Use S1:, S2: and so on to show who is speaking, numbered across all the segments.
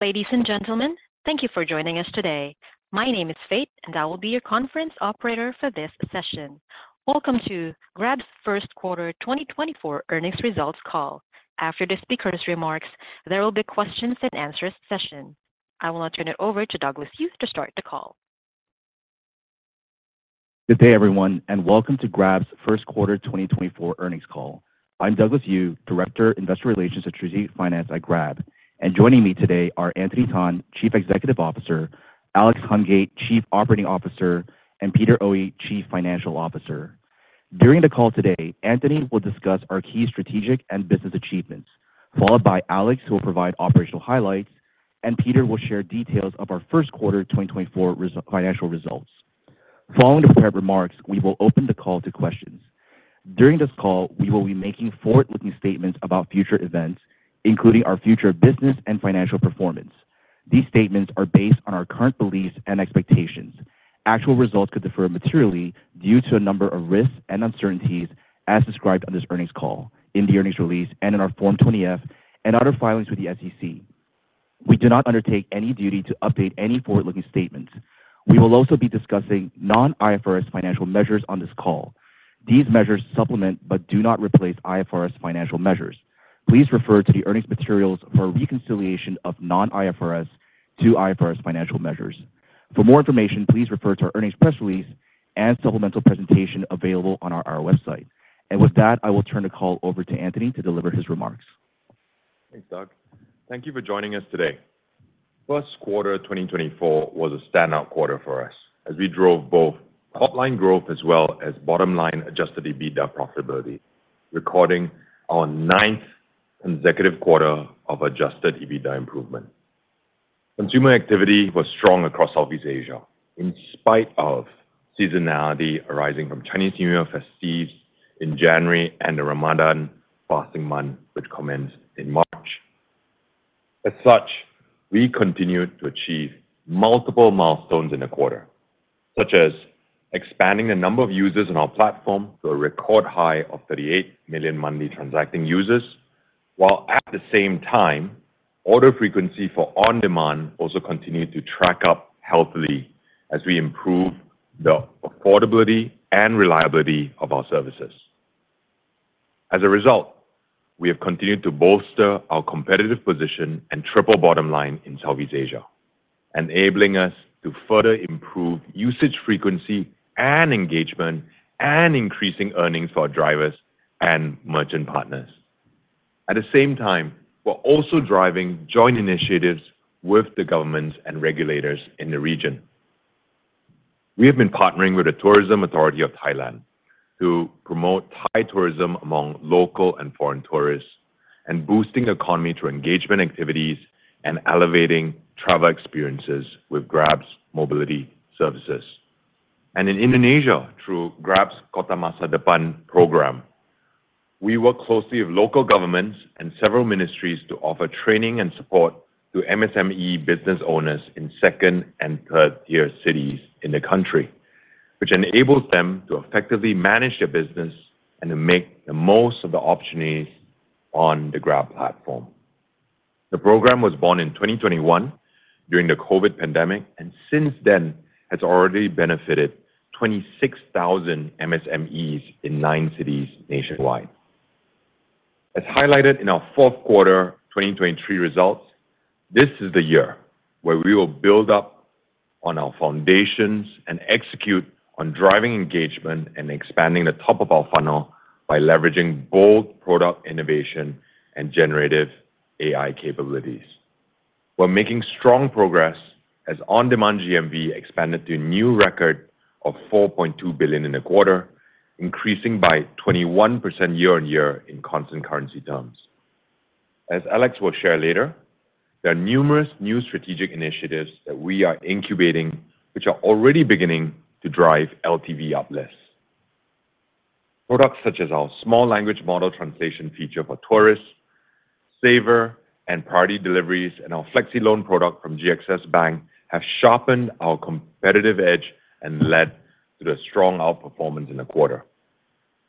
S1: Ladies and gentlemen, thank you for joining us today. My name is Faith, and I will be your conference operator for this session. Welcome to Grab's First Quarter 2024 Earnings Results Call. After the speaker's remarks, there will be questions and answers session. I will now turn it over to Douglas Eu to start the call.
S2: Good day, everyone, and welcome to Grab's first quarter 2024 earnings call. I'm Douglas Eu, Director of Investor Relations and Strategic Finance at Grab. Joining me today are Anthony Tan, Chief Executive Officer, Alex Hungate, Chief Operating Officer, and Peter Oey, Chief Financial Officer. During the call today, Anthony will discuss our key strategic and business achievements, followed by Alex, who will provide operational highlights, and Peter will share details of our first quarter 2024 financial results. Following the prepared remarks, we will open the call to questions. During this call, we will be making forward-looking statements about future events, including our future business and financial performance. These statements are based on our current beliefs and expectations. Actual results could differ materially due to a number of risks and uncertainties as described on this earnings call, in the earnings release, and in our Form 20-F and other filings with the SEC. We do not undertake any duty to update any forward-looking statements. We will also be discussing non-IFRS financial measures on this call. These measures supplement but do not replace IFRS financial measures. Please refer to the earnings materials for a reconciliation of non-IFRS to IFRS financial measures. For more information, please refer to our earnings press release and supplemental presentation available on our website. With that, I will turn the call over to Anthony to deliver his remarks. Thanks, Doug. Thank you for joining us today. First quarter 2024 was a standout quarter for us, as we drove both top line growth as well as bottom line Adjusted EBITDA profitability, recording our ninth consecutive quarter of Adjusted EBITDA improvement. Consumer activity was strong across Southeast Asia, in spite of seasonality arising from Chinese New Year festivities in January and the Ramadan fasting month, which commenced in March. As such, we continued to achieve multiple milestones in the quarter, such as expanding the number of users on our platform to a record high of 38 million monthly transacting users, while at the same time, order frequency for on-demand also continued to track up healthily as we improve the affordability and reliability of our services. As a result, we have continued to bolster our competitive position and Triple Bottom Line in Southeast Asia, enabling us to further improve usage frequency and engagement and increasing earnings for our drivers and merchant partners. At the same time, we're also driving joint initiatives with the governments and regulators in the region. We have been partnering with the Tourism Authority of Thailand to promote Thai tourism among local and foreign tourists, and boosting economy through engagement activities and elevating travel experiences with Grab's mobility services. In Indonesia, through Grab's Kota Masa Depan program, we work closely with local governments and several ministries to offer training and support to MSME business owners in second- and third-tier cities in the country, which enables them to effectively manage their business and to make the most of the opportunities on the Grab platform. The program was born in 2021 during the COVID pandemic, and since then, has already benefited 26,000 MSMEs in nine cities nationwide. As highlighted in our fourth quarter 2023 results, this is the year where we will build up on our foundations and execute on driving engagement and expanding the top of our funnel by leveraging both product innovation and generative AI capabilities. We're making strong progress as on-demand GMV expanded to a new record of $4.2 billion in the quarter, increasing by 21% year-on-year in constant currency terms. As Alex will share later, there are numerous new strategic initiatives that we are incubating, which are already beginning to drive LTV uplift. Products such as our small language model translation feature for tourists, Saver and Priority deliveries, and our Flexi Loan product from GXS Bank have sharpened our competitive edge and led to the strong outperformance in the quarter.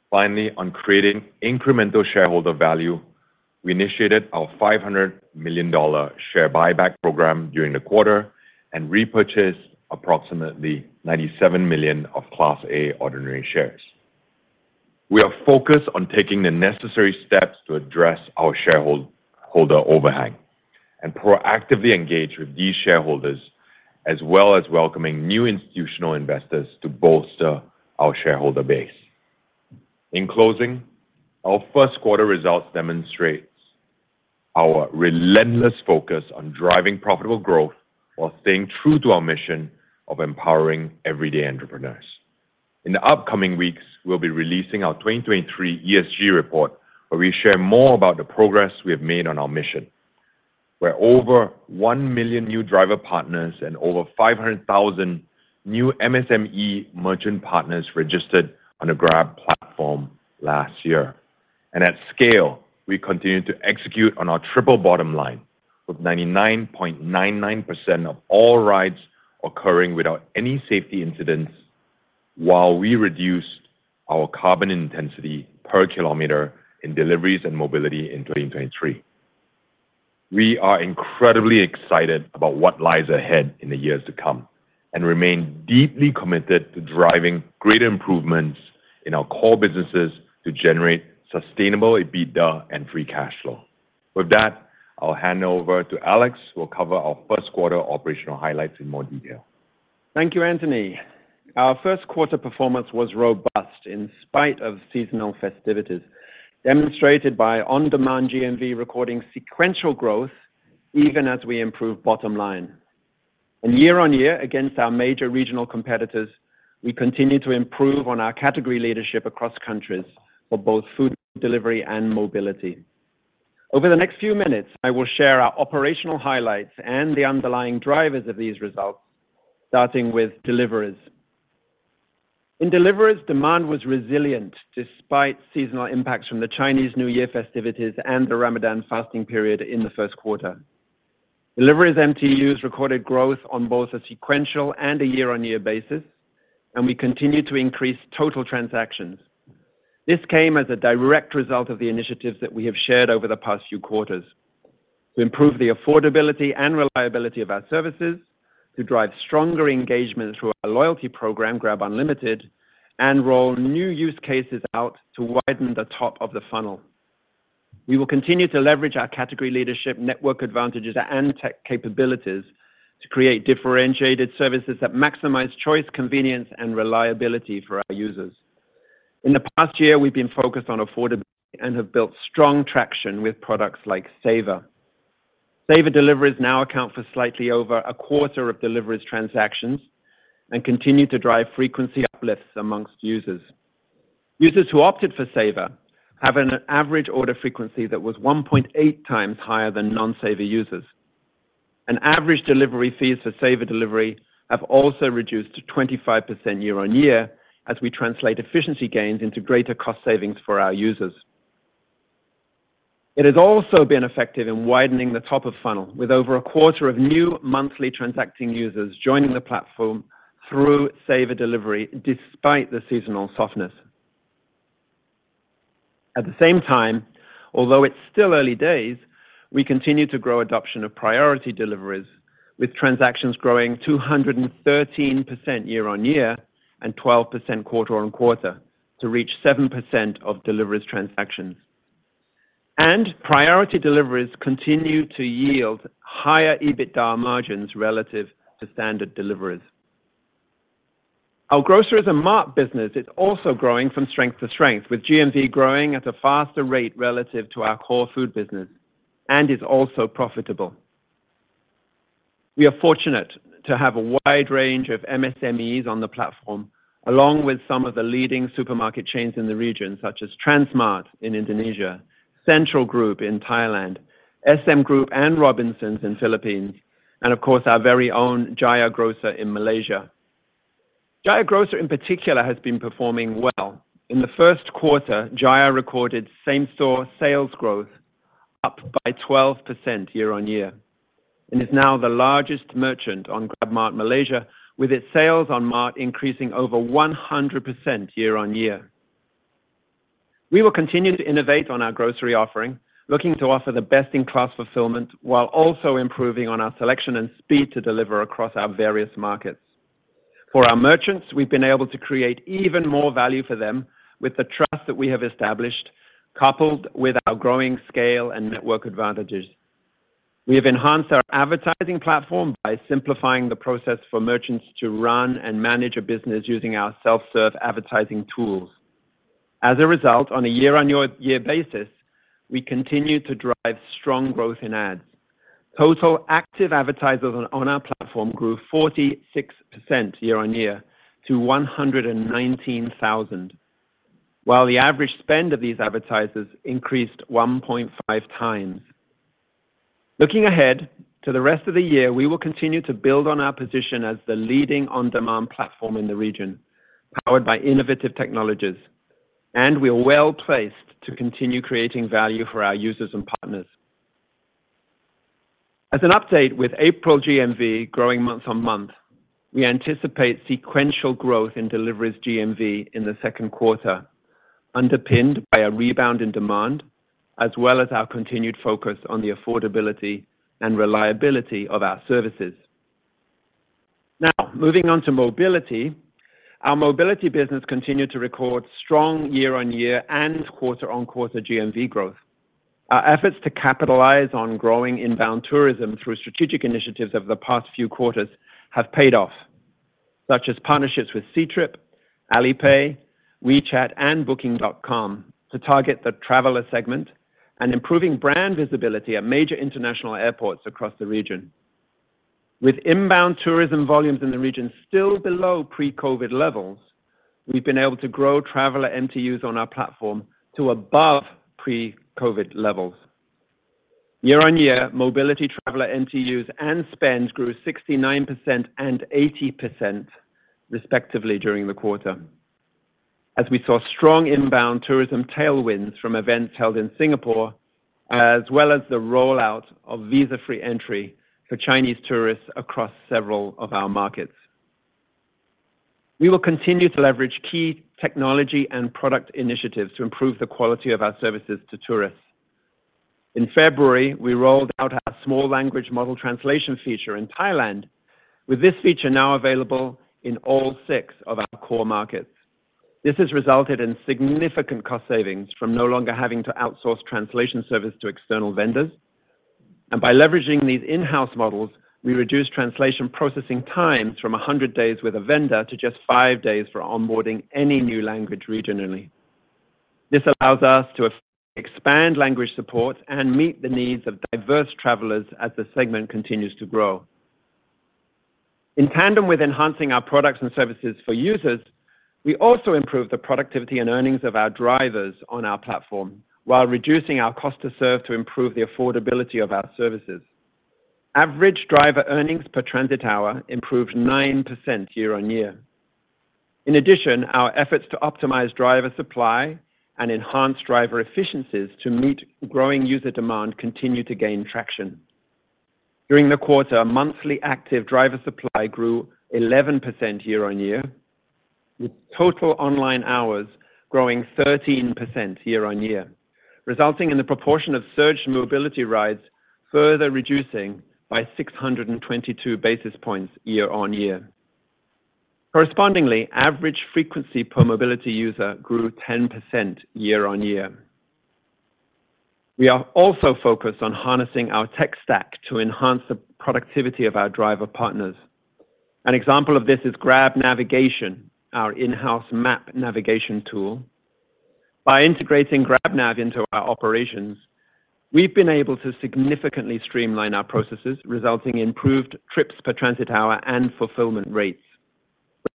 S2: Finally, on creating incremental shareholder value, we initiated our $500 million share buyback program during the quarter and repurchased approximately 97 million of Class A ordinary shares. We are focused on taking the necessary steps to address our shareholder overhang and proactively engage with these shareholders, as well as welcoming new institutional investors to bolster our shareholder base. In closing, our first quarter results demonstrates our relentless focus on driving profitable growth while staying true to our mission of empowering everyday entrepreneurs. In the upcoming weeks, we'll be releasing our 2023 ESG report, where we share more about the progress we have made on our mission, where over 1 million new driver partners and over 500,000 new MSME merchant partners registered on the Grab platform last year. At scale, we continue to execute on our Triple Bottom Line, with 99.99% of all rides occurring without any safety incidents while we reduced our carbon intensity per kilometer in deliveries and mobility in 2023. We are incredibly excited about what lies ahead in the years to come, and remain deeply committed to driving greater improvements in our core businesses to generate sustainable EBITDA and free cash flow. With that, I'll hand over to Alex, who will cover our first quarter operational highlights in more detail.
S3: Thank you, Anthony. Our first quarter performance was robust in spite of seasonal festivities, demonstrated by on-demand GMV recording sequential growth even as we improve bottom line. Year-on-year, against our major regional competitors, we continue to improve on our category leadership across countries for both food delivery and mobility. Over the next few minutes, I will share our operational highlights and the underlying drivers of these results, starting with deliveries. In deliveries, demand was resilient despite seasonal impacts from the Chinese New Year festivities and the Ramadan fasting period in the first quarter. Deliveries MTUs recorded growth on both a sequential and a year-on-year basis, and we continued to increase total transactions. This came as a direct result of the initiatives that we have shared over the past few quarters to improve the affordability and reliability of our services, to drive stronger engagement through our loyalty program, Grab Unlimited, and roll new use cases out to widen the top of the funnel. We will continue to leverage our category leadership, network advantages, and tech capabilities to create differentiated services that maximize choice, convenience, and reliability for our users. In the past year, we've been focused on affordability and have built strong traction with products like Saver. Saver deliveries now account for slightly over a quarter of deliveries transactions and continue to drive frequency uplifts among users. Users who opted for Saver have an average order frequency that was 1.8 times higher than non-Saver users. Average delivery fees for Saver delivery have also reduced to 25% year-on-year, as we translate efficiency gains into greater cost savings for our users. It has also been effective in widening the top of funnel, with over a quarter of new monthly transacting users joining the platform through Saver delivery, despite the seasonal softness. At the same time, although it's still early days, we continue to grow adoption of priority deliveries, with transactions growing 213% year-on-year and 12% quarter-on-quarter to reach 7% of deliveries transactions. Priority deliveries continue to yield higher EBITDA margins relative to standard deliveries. Our Groceries and Mart business is also growing from strength to strength, with GMV growing at a faster rate relative to our core food business and is also profitable. We are fortunate to have a wide range of MSMEs on the platform, along with some of the leading supermarket chains in the region, such as Transmart in Indonesia, Central Group in Thailand, SM Group and Robinsons in Philippines, and of course, our very own Jaya Grocer in Malaysia. Jaya Grocer, in particular, has been performing well. In the first quarter, Jaya recorded same-store sales growth up by 12% year-on-year, and is now the largest merchant on GrabMart Malaysia, with its sales on Mart increasing over 100% year-on-year. We will continue to innovate on our grocery offering, looking to offer the best-in-class fulfillment, while also improving on our selection and speed to deliver across our various markets. For our merchants, we've been able to create even more value for them with the trust that we have established, coupled with our growing scale and network advantages. We have enhanced our advertising platform by simplifying the process for merchants to run and manage a business using our self-serve advertising tools. As a result, on a year-on-year basis, we continued to drive strong growth in ads. Total active advertisers on our platform grew 46% year-on-year to 119,000, while the average spend of these advertisers increased 1.5 times. Looking ahead to the rest of the year, we will continue to build on our position as the leading on-demand platform in the region, powered by innovative technologies, and we are well placed to continue creating value for our users and partners. As an update, with April GMV growing month-on-month, we anticipate sequential growth in deliveries GMV in the second quarter, underpinned by a rebound in demand, as well as our continued focus on the affordability and reliability of our services. Now, moving on to mobility. Our mobility business continued to record strong year-on-year and quarter-on-quarter GMV growth. Our efforts to capitalize on growing inbound tourism through strategic initiatives over the past few quarters have paid off, such as partnerships with Ctrip, Alipay, WeChat, and Booking.com to target the traveler segment and improving brand visibility at major international airports across the region. With inbound tourism volumes in the region still below pre-COVID levels, we've been able to grow traveler MTUs on our platform to above pre-COVID levels. Year-on-year, mobility traveler MTUs and spend grew 69% and 80%, respectively, during the quarter... as we saw strong inbound tourism tailwinds from events held in Singapore, as well as the rollout of visa-free entry for Chinese tourists across several of our markets. We will continue to leverage key technology and product initiatives to improve the quality of our services to tourists. In February, we rolled out our small language model translation feature in Thailand, with this feature now available in all six of our core markets. This has resulted in significant cost savings from no longer having to outsource translation service to external vendors. And by leveraging these in-house models, we reduce translation processing times from 100 days with a vendor to just five days for onboarding any new language regionally. This allows us to expand language support and meet the needs of diverse travelers as the segment continues to grow. In tandem with enhancing our products and services for users, we also improve the productivity and earnings of our drivers on our platform, while reducing our cost to serve to improve the affordability of our services. Average driver earnings per transit hour improved 9% year-on-year. In addition, our efforts to optimize driver supply and enhance driver efficiencies to meet growing user demand continue to gain traction. During the quarter, monthly active driver supply grew 11% year-on-year, with total online hours growing 13% year-on-year, resulting in the proportion of surge mobility rides further reducing by 622 basis points year-on-year. Correspondingly, average frequency per mobility user grew 10% year-on-year. We are also focused on harnessing our tech stack to enhance the productivity of our driver partners. An example of this is Grab Navigation, our in-house map navigation tool. By integrating GrabNav into our operations, we've been able to significantly streamline our processes, resulting in improved trips per transit hour and fulfillment rates.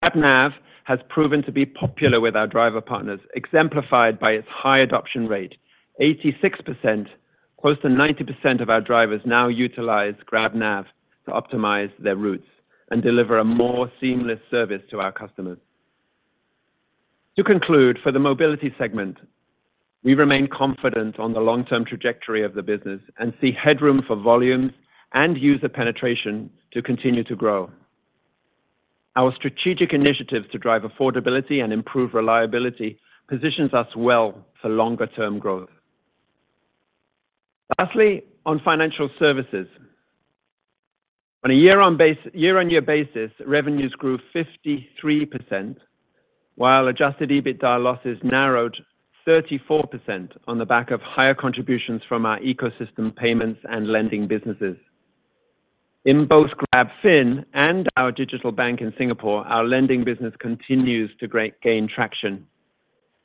S3: GrabNav has proven to be popular with our driver partners, exemplified by its high adoption rate. 86%, close to 90% of our drivers now utilize GrabNav to optimize their routes and deliver a more seamless service to our customers. To conclude, for the mobility segment, we remain confident on the long-term trajectory of the business and see headroom for volumes and user penetration to continue to grow. Our strategic initiatives to drive affordability and improve reliability positions us well for longer-term growth. Lastly, on financial services. On a year-on-year basis, revenues grew 53%, while Adjusted EBITDA losses narrowed 34% on the back of higher contributions from our ecosystem payments and lending businesses. In both GrabFin and our digital bank in Singapore, our lending business continues to gain traction.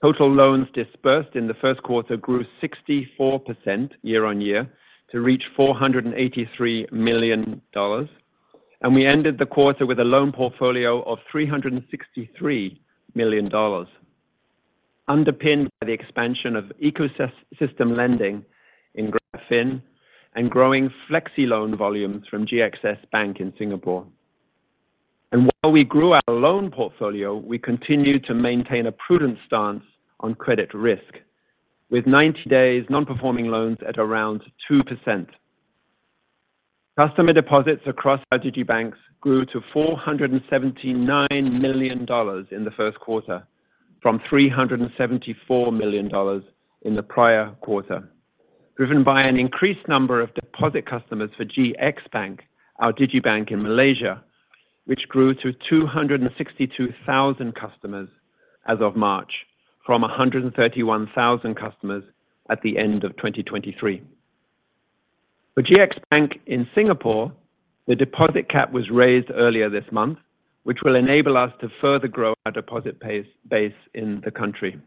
S3: Total loans disbursed in the first quarter grew 64% year-on-year to reach $483 million, and we ended the quarter with a loan portfolio of $363 million, underpinned by the expansion of ecosystem lending in GrabFin and growing Flexi Loan volumes from GXS Bank in Singapore. While we grew our loan portfolio, we continued to maintain a prudent stance on credit risk, with 90 days non-performing loans at around 2%. Customer deposits across our digibanks grew to $479 million in the first quarter, from $374 million in the prior quarter, driven by an increased number of deposit customers for GXBank, our digibank in Malaysia, which grew to 262,000 customers as of March, from 131,000 customers at the end of 2023. For GXS Bank in Singapore, the deposit cap was raised earlier this month, which will enable us to further grow our deposit base, base in the country.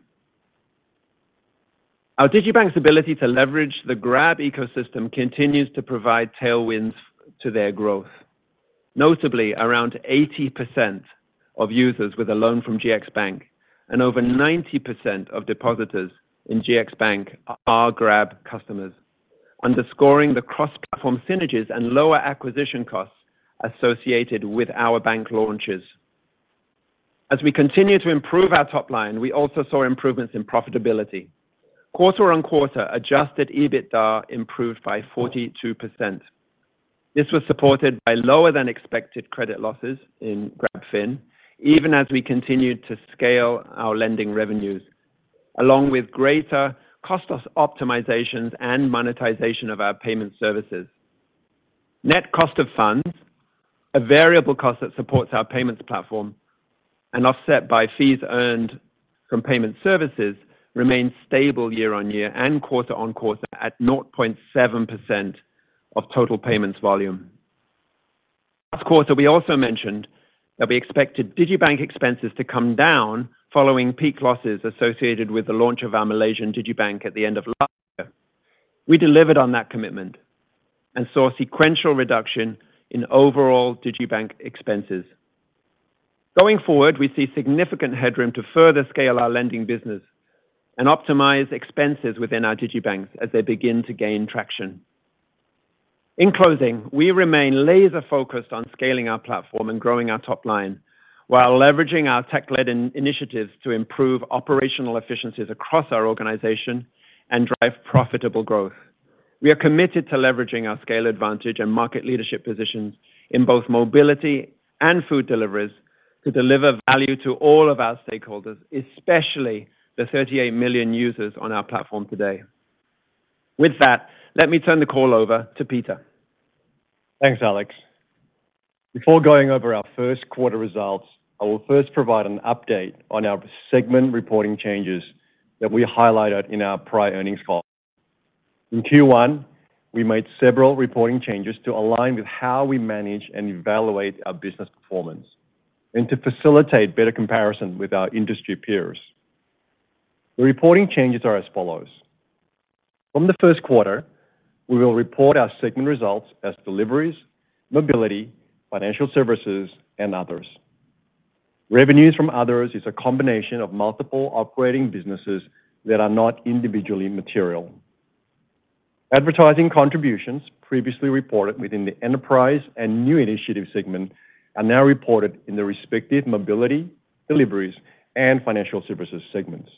S3: Our digibanks' ability to leverage the Grab ecosystem continues to provide tailwinds to their growth. Notably, around 80% of users with a loan from GXS Bank and over 90% of depositors in GXS Bank are Grab customers, underscoring the cross-platform synergies and lower acquisition costs associated with our bank launches. As we continue to improve our top line, we also saw improvements in profitability. Quarter on quarter, Adjusted EBITDA improved by 42%. This was supported by lower than expected credit losses in GrabFin, even as we continued to scale our lending revenues, along with greater cost optimizations and monetization of our payment services. Net Cost of Funds, a variable cost that supports our payments platform and offset by fees earned from payment services, remains stable year-on-year and quarter-on-quarter at 0.7% of total payments volume. Last quarter, we also mentioned that we expected digibank expenses to come down following peak losses associated with the launch of our Malaysian digibank at the end of last year. We delivered on that commitment and saw a sequential reduction in overall digibank expenses. Going forward, we see significant headroom to further scale our lending business and optimize expenses within our digibanks as they begin to gain traction. In closing, we remain laser-focused on scaling our platform and growing our top line while leveraging our tech-led in- initiatives to improve operational efficiencies across our organization and drive profitable growth. We are committed to leveraging our scale advantage and market leadership positions in both mobility and food deliveries to deliver value to all of our stakeholders, especially the 38 million users on our platform today. With that, let me turn the call over to Peter.
S4: Thanks, Alex. Before going over our first quarter results, I will first provide an update on our segment reporting changes that we highlighted in our prior earnings call. In Q1, we made several reporting changes to align with how we manage and evaluate our business performance and to facilitate better comparison with our industry peers. The reporting changes are as follows: From the first quarter, we will report our segment results as deliveries, mobility, financial services, and others. Revenues from others is a combination of multiple operating businesses that are not individually material. Advertising contributions previously reported within the enterprise and new initiative segment are now reported in the respective mobility, deliveries, and financial services segments.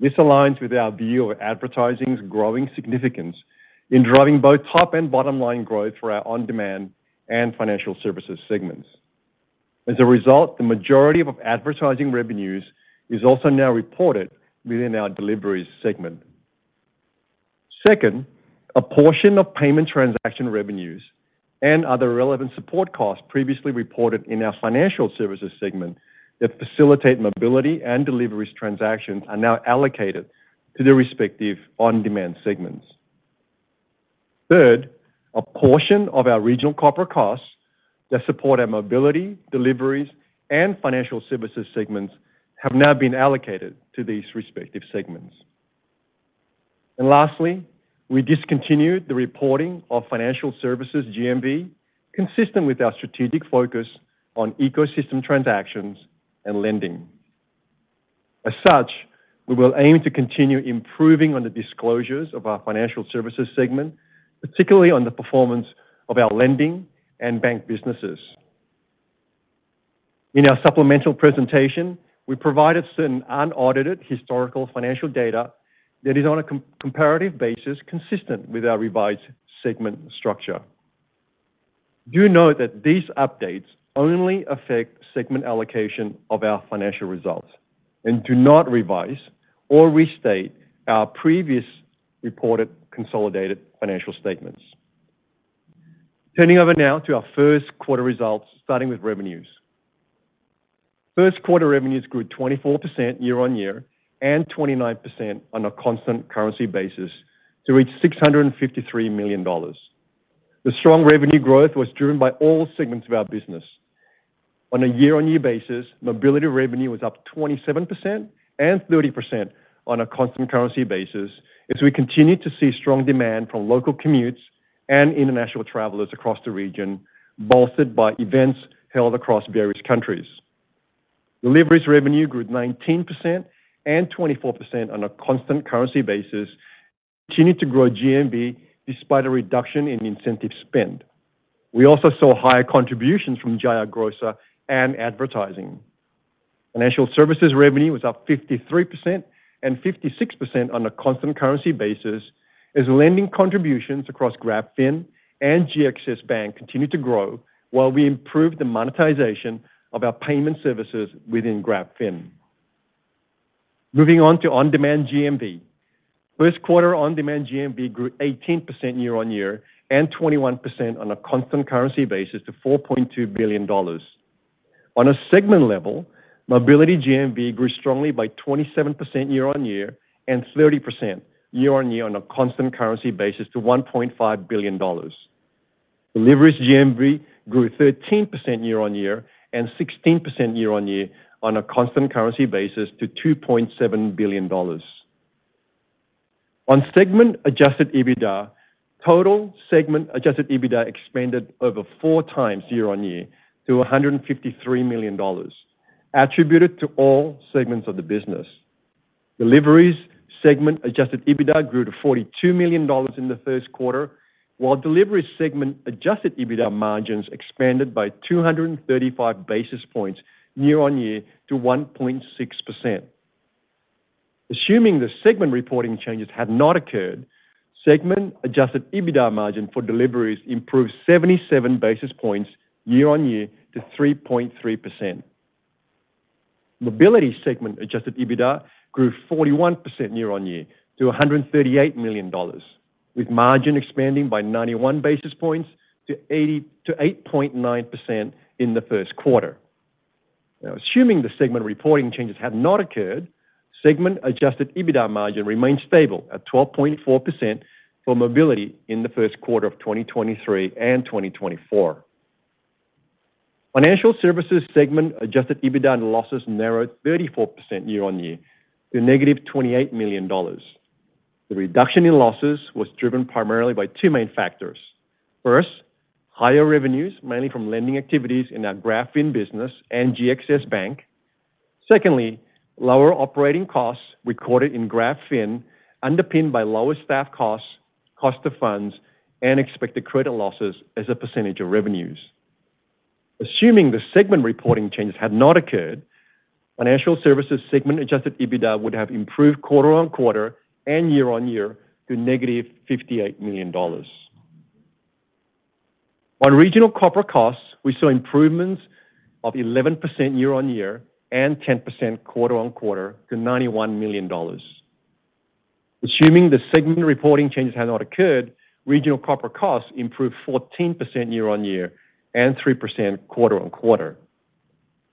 S4: This aligns with our view of advertising's growing significance in driving both top and bottom-line growth for our on-demand and financial services segments. As a result, the majority of advertising revenues is also now reported within our deliveries segment. Second, a portion of payment transaction revenues and other relevant support costs previously reported in our financial services segment that facilitate mobility and deliveries transactions are now allocated to their respective on-demand segments. Third, a portion of our regional corporate costs that support our mobility, deliveries, and financial services segments have now been allocated to these respective segments. And lastly, we discontinued the reporting of financial services GMV, consistent with our strategic focus on ecosystem transactions and lending. As such, we will aim to continue improving on the disclosures of our financial services segment, particularly on the performance of our lending and bank businesses. In our supplemental presentation, we provided certain unaudited historical financial data that is, on a comparative basis, consistent with our revised segment structure. Do note that these updates only affect segment allocation of our financial results and do not revise or restate our previous reported consolidated financial statements. Turning over now to our first quarter results, starting with revenues. First quarter revenues grew 24% year-over-year and 29% on a constant currency basis to reach $653 million. The strong revenue growth was driven by all segments of our business. On a year-on-year basis, mobility revenue was up 27% and 30% on a constant currency basis, as we continued to see strong demand from local commutes and international travelers across the region, bolstered by events held across various countries. Deliveries revenue grew 19% and 24% on a constant currency basis, continuing to grow GMV despite a reduction in incentive spend. We also saw higher contributions from Jaya Grocer and advertising. Financial services revenue was up 53% and 56% on a constant currency basis, as lending contributions across GrabFin and GXS Bank continued to grow while we improved the monetization of our payment services within GrabFin. Moving on to on-demand GMV. First quarter on-demand GMV grew 18% year-on-year and 21% on a constant currency basis to $4.2 billion. On a segment level, mobility GMV grew strongly by 27% year-on-year and 30% year-on-year on a constant currency basis to $1.5 billion. Deliveries GMV grew 13% year-on-year and 16% year-on-year on a constant currency basis to $2.7 billion. On segment Adjusted EBITDA, total segment Adjusted EBITDA expanded over 4x year-on-year to $153 million, attributed to all segments of the business. Deliveries segment Adjusted EBITDA grew to $42 million in the first quarter, while delivery segment Adjusted EBITDA margins expanded by 235 basis points year-on-year to 1.6%. Assuming the segment reporting changes had not occurred, segment Adjusted EBITDA margin for deliveries improved 77 basis points year-on-year to 3.3%. Mobility segment Adjusted EBITDA grew 41% year-on-year to $138 million, with margin expanding by 91 basis points to 8.9% in the first quarter. Now, assuming the segment reporting changes had not occurred, segment Adjusted EBITDA margin remained stable at 12.4% for mobility in the first quarter of 2023 and 2024. Financial services segment Adjusted EBITDA losses narrowed 34% year-on-year to -$28 million. The reduction in losses was driven primarily by two main factors. First, higher revenues, mainly from lending activities in our GrabFin business and GXS Bank.... Secondly, lower operating costs recorded in GrabFin, underpinned by lower staff costs, cost of funds, and expected credit losses as a percentage of revenues. Assuming the segment reporting changes had not occurred, financial services segment Adjusted EBITDA would have improved quarter-on-quarter and year-on-year to -$58 million. On regional corporate costs, we saw improvements of 11% year-on-year and 10% quarter-on-quarter to $91 million. Assuming the segment reporting changes had not occurred, regional corporate costs improved 14% year-on-year and 3% quarter-on-quarter.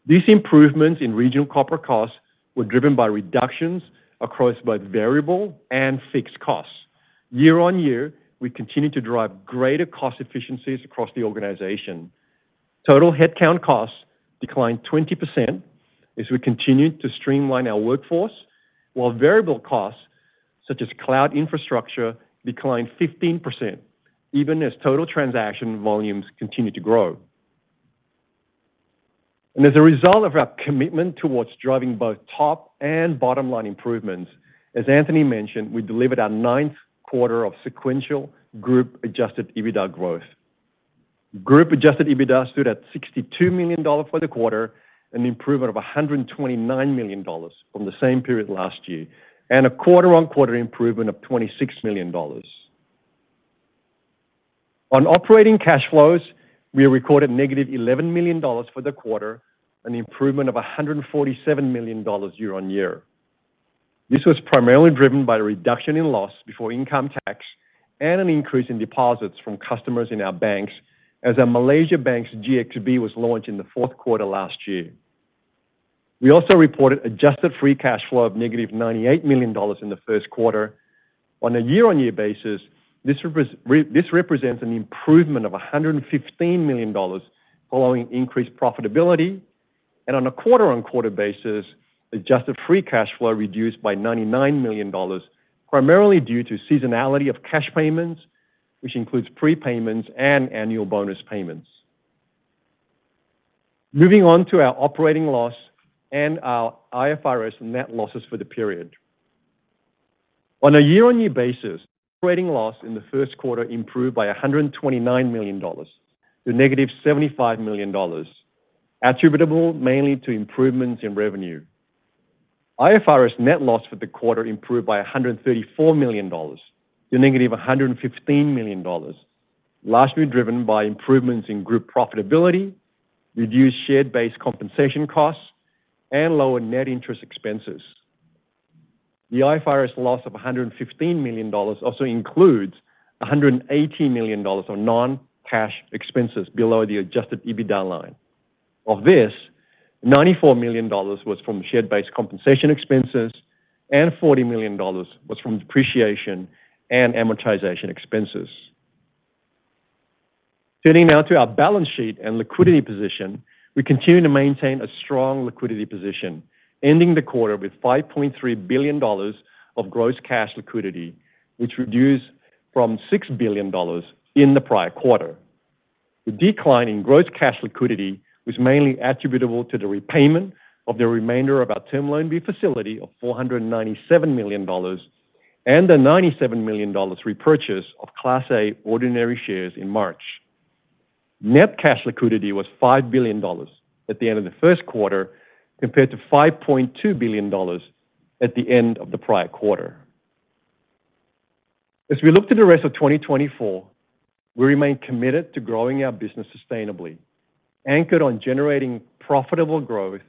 S4: These improvements in regional corporate costs were driven by reductions across both variable and fixed costs. Year-on-year, we continued to drive greater cost efficiencies across the organization. Total headcount costs declined 20% as we continued to streamline our workforce, while variable costs, such as cloud infrastructure, declined 15%, even as total transaction volumes continued to grow. As a result of our commitment toward driving both top- and bottom-line improvements, as Anthony mentioned, we delivered our ninth quarter of sequential group Adjusted EBITDA growth. Group Adjusted EBITDA stood at $62 million for the quarter, an improvement of $129 million from the same period last year, and a quarter-on-quarter improvement of $26 million. On operating cash flows, we recorded -$11 million for the quarter, an improvement of $147 million year-on-year. This was primarily driven by a reduction in loss before income tax and an increase in deposits from customers in our banks as our Malaysian bank GXBank was launched in the fourth quarter last year. We also reported Adjusted Free Cash Flow of -$98 million in the first quarter. On a year-on-year basis, this represents an improvement of $115 million, following increased profitability, and on a quarter-on-quarter basis, Adjusted Free Cash Flow reduced by $99 million, primarily due to seasonality of cash payments, which includes prepayments and annual bonus payments. Moving on to our operating loss and our IFRS net losses for the period. On a year-on-year basis, operating loss in the first quarter improved by $129 million, to -$75 million, attributable mainly to improvements in revenue. IFRS net loss for the quarter improved by $134 million, to -$115 million, largely driven by improvements in group profitability, reduced stock-based compensation costs, and lower net interest expenses. The IFRS loss of $115 million also includes $118 million on non-cash expenses below the Adjusted EBITDA line. Of this, $94 million was from stock-based compensation expenses, and $40 million was from depreciation and amortization expenses. Turning now to our balance sheet and liquidity position, we continue to maintain a strong liquidity position, ending the quarter with $5.3 billion of gross cash liquidity, which reduced from $6 billion in the prior quarter. The decline in gross cash liquidity was mainly attributable to the repayment of the remainder of our Term Loan B facility of $497 million and the $97 million repurchase of Class A ordinary shares in March. Net cash liquidity was $5 billion at the end of the first quarter, compared to $5.2 billion at the end of the prior quarter. As we look to the rest of 2024, we remain committed to growing our business sustainably, anchored on generating profitable growth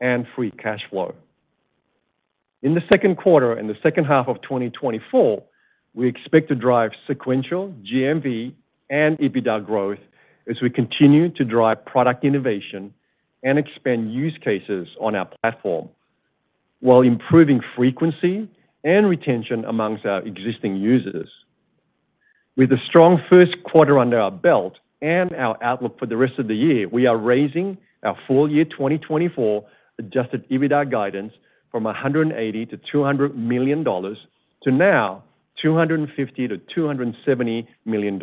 S4: and free cash flow. In the second quarter and the second half of 2024, we expect to drive sequential GMV and EBITDA growth as we continue to drive product innovation and expand use cases on our platform, while improving frequency and retention among our existing users. With a strong first quarter under our belt and our outlook for the rest of the year, we are raising our full year 2024 Adjusted EBITDA guidance from $180 million-$200 million to now $250 million-$270 million,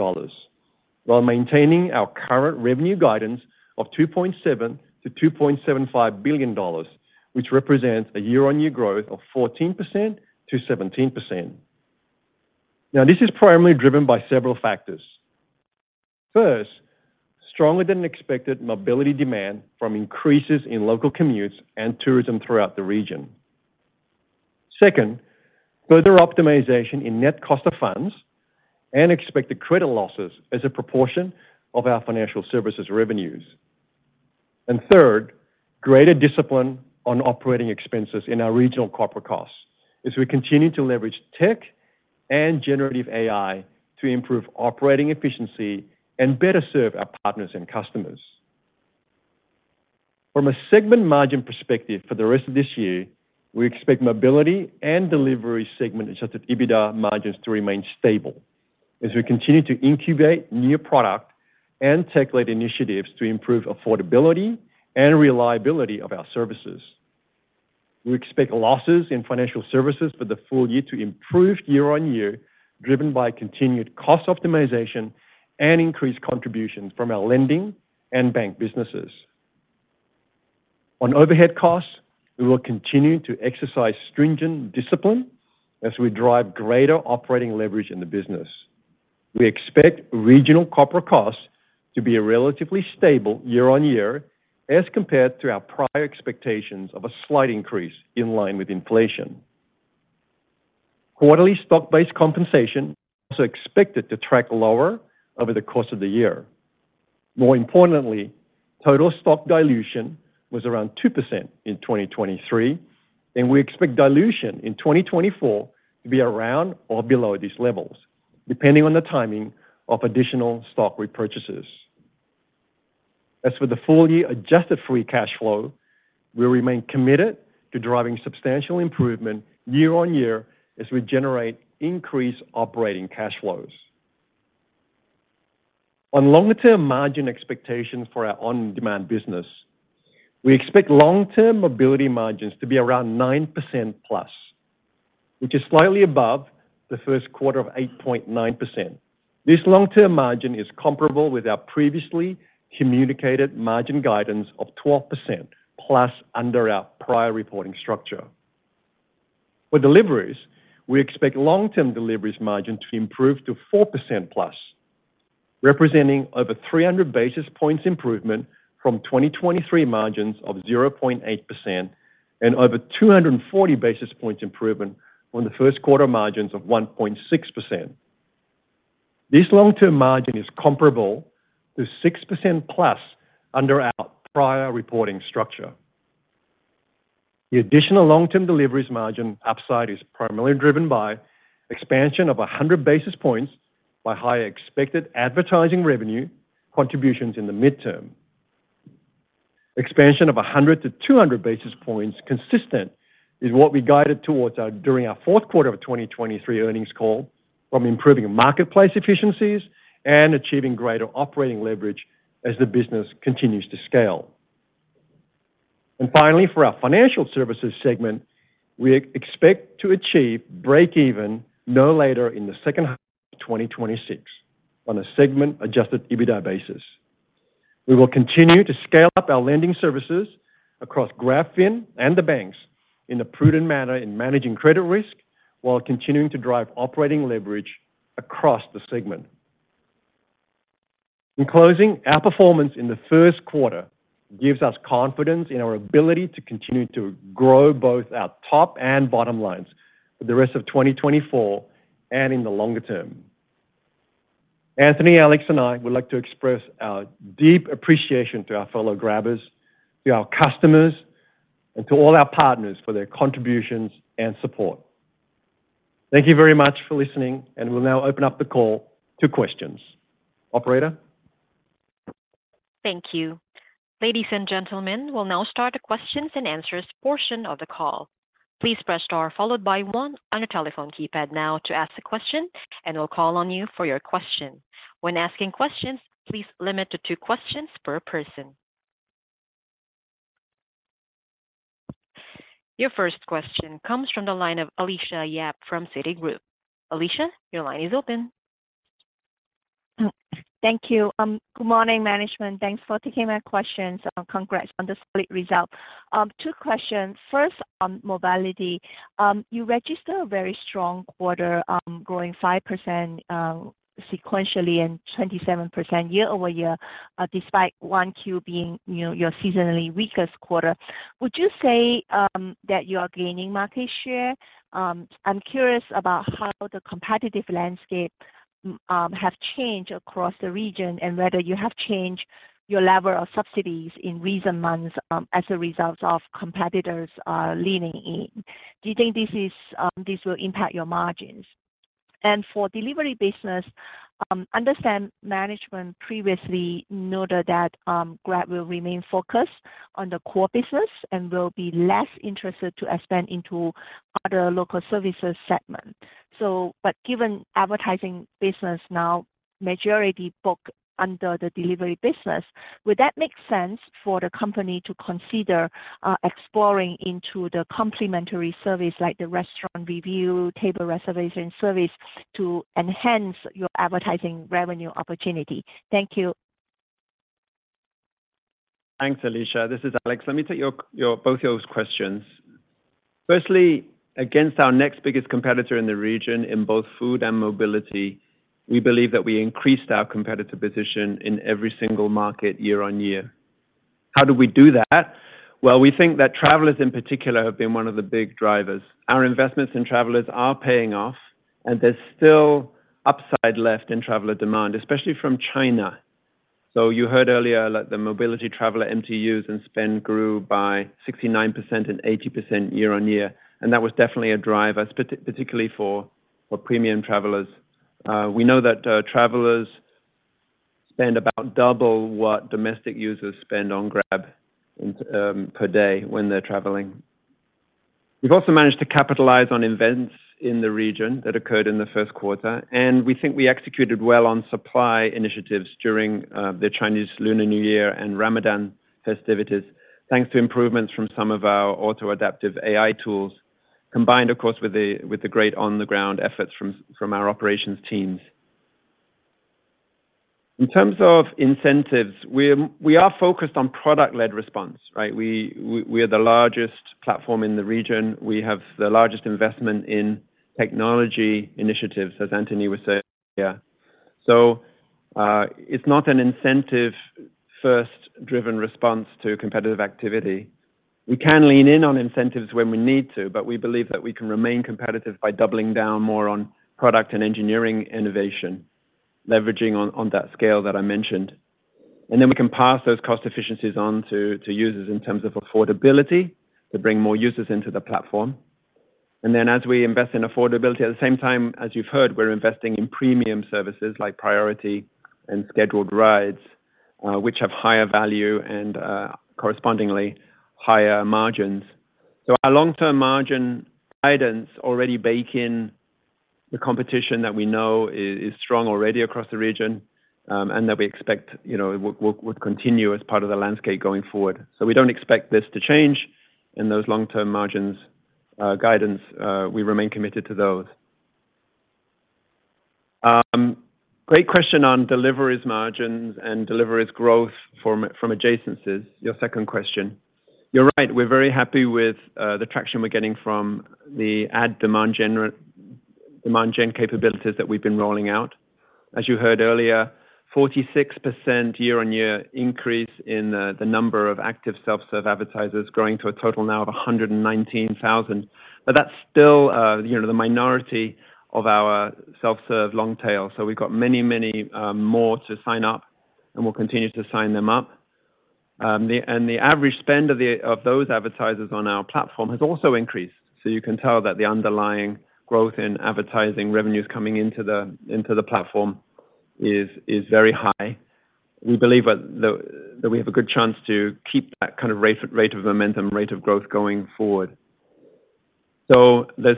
S4: while maintaining our current revenue guidance of $2.7 billion-$2.75 billion, which represents a year-on-year growth of 14%-17%. Now, this is primarily driven by several factors. First, stronger than expected mobility demand from increases in local commutes and tourism throughout the region. Second, further optimization in net cost of funds and expected credit losses as a proportion of our financial services revenues. And third, greater discipline on operating expenses in our regional corporate costs as we continue to leverage tech and generative AI to improve operating efficiency and better serve our partners and customers. From a segment margin perspective for the rest of this year, we expect mobility and delivery segment Adjusted EBITDA margins to remain stable as we continue to incubate new product and tech-led initiatives to improve affordability and reliability of our services.... We expect losses in financial services for the full year to improve year-on-year, driven by continued cost optimization and increased contributions from our lending and bank businesses. On overhead costs, we will continue to exercise stringent discipline as we drive greater operating leverage in the business. We expect regional corporate costs to be relatively stable year-on-year, as compared to our prior expectations of a slight increase in line with inflation. Quarterly stock-based compensation is expected to track lower over the course of the year. More importantly, total stock dilution was around 2% in 2023, and we expect dilution in 2024 to be around or below these levels, depending on the timing of additional stock repurchases. As for the full year Adjusted Free Cash Flow, we remain committed to driving substantial improvement year-on-year as we generate increased operating cash flows. On longer-term margin expectations for our on-demand business, we expect long-term mobility margins to be around 9%+, which is slightly above the first quarter of 8.9%. This long-term margin is comparable with our previously communicated margin guidance of 12%+ under our prior reporting structure. For deliveries, we expect long-term deliveries margin to improve to 4%+, representing over 300 basis points improvement from 2023 margins of 0.8% and over 240 basis points improvement on the first quarter margins of 1.6%. This long-term margin is comparable to 6%+ under our prior reporting structure. The additional long-term deliveries margin upside is primarily driven by expansion of 100 basis points by higher expected advertising revenue contributions in the midterm. Expansion of 100-200 basis points consistent is what we guided towards our, during our fourth quarter of 2023 earnings call from improving marketplace efficiencies and achieving greater operating leverage as the business continues to scale. And finally, for our financial services segment, we expect to achieve breakeven no later than the second half of 2026 on a segment-Adjusted EBITDA basis. We will continue to scale up our lending services across GrabFin and the banks in a prudent manner in managing credit risk, while continuing to drive operating leverage across the segment. In closing, our performance in the first quarter gives us confidence in our ability to continue to grow both our top and bottom lines for the rest of 2024 and in the longer term. Anthony, Alex, and I would like to express our deep appreciation to our fellow Grabbers, to our customers, and to all our partners for their contributions and support. Thank you very much for listening, and we'll now open up the call to questions. Operator?
S1: Thank you. Ladies and gentlemen, we'll now start the questions and answers portion of the call. Please press star followed by one on your telephone keypad now to ask a question, and we'll call on you for your question. When asking questions, please limit to two questions per person. Your first question comes from the line of Alicia Yap from Citigroup. Alicia, your line is open.
S5: Thank you. Good morning, management. Thanks for taking my questions. Congrats on the solid result. Two questions. First, on mobility. You registered a very strong quarter, growing 5%, sequentially and 27% year-over-year, despite 1Q being, you know, your seasonally weakest quarter. Would you say that you are gaining market share? I'm curious about how the competitive landscape have changed across the region, and whether you have changed your level of subsidies in recent months, as a result of competitors leaning in. Do you think this is, this will impact your margins? And for delivery business, understand management previously noted that, Grab will remain focused on the core business and will be less interested to expand into other local services segment. So, but given advertising business now majority booked under the delivery business, would that make sense for the company to consider exploring into the complementary service, like the restaurant review, table reservation service, to enhance your advertising revenue opportunity? Thank you.
S3: Thanks, Alicia. This is Alex. Let me take both your questions. Firstly, against our next biggest competitor in the region, in both food and mobility, we believe that we increased our competitive position in every single market year-on-year. How do we do that? Well, we think that travelers, in particular, have been one of the big drivers. Our investments in travelers are paying off, and there's still upside left in traveler demand, especially from China. So you heard earlier that the mobility traveler MTUs and spend grew by 69% and 80% year-on-year, and that was definitely a driver, particularly for premium travelers. We know that travelers spend about double what domestic users spend on Grab per day when they're traveling.... We've also managed to capitalize on events in the region that occurred in the first quarter, and we think we executed well on supply initiatives during the Chinese Lunar New Year and Ramadan festivities, thanks to improvements from some of our auto-adaptive AI tools, combined, of course, with the great on-the-ground efforts from our operations teams. In terms of incentives, we're, we are focused on product-led response, right? We, we, we are the largest platform in the region. We have the largest investment in technology initiatives, as Anthony was saying earlier. So, it's not an incentive-first driven response to competitive activity. We can lean in on incentives when we need to, but we believe that we can remain competitive by doubling down more on product and engineering innovation, leveraging on that scale that I mentioned. And then we can pass those cost efficiencies on to users in terms of affordability to bring more users into the platform. And then as we invest in affordability, at the same time, as you've heard, we're investing in premium services like Priority and Scheduled Rides, which have higher value and, correspondingly higher margins. So our long-term margin guidance already bake in the competition that we know is strong already across the region, and that we expect, you know, would continue as part of the landscape going forward. So we don't expect this to change in those long-term margins, guidance. We remain committed to those. Great question on deliveries margins and deliveries growth from adjacencies, your second question. You're right, we're very happy with the traction we're getting from the ad demand gen capabilities that we've been rolling out. As you heard earlier, 46% year-on-year increase in the number of active self-serve advertisers, growing to a total now of 119,000. But that's still, you know, the minority of our self-serve long tail. So we've got many, many more to sign up, and we'll continue to sign them up. The average spend of those advertisers on our platform has also increased, so you can tell that the underlying growth in advertising revenues coming into the platform is very high. We believe that we have a good chance to keep that kind of rate of momentum, rate of growth going forward. So there's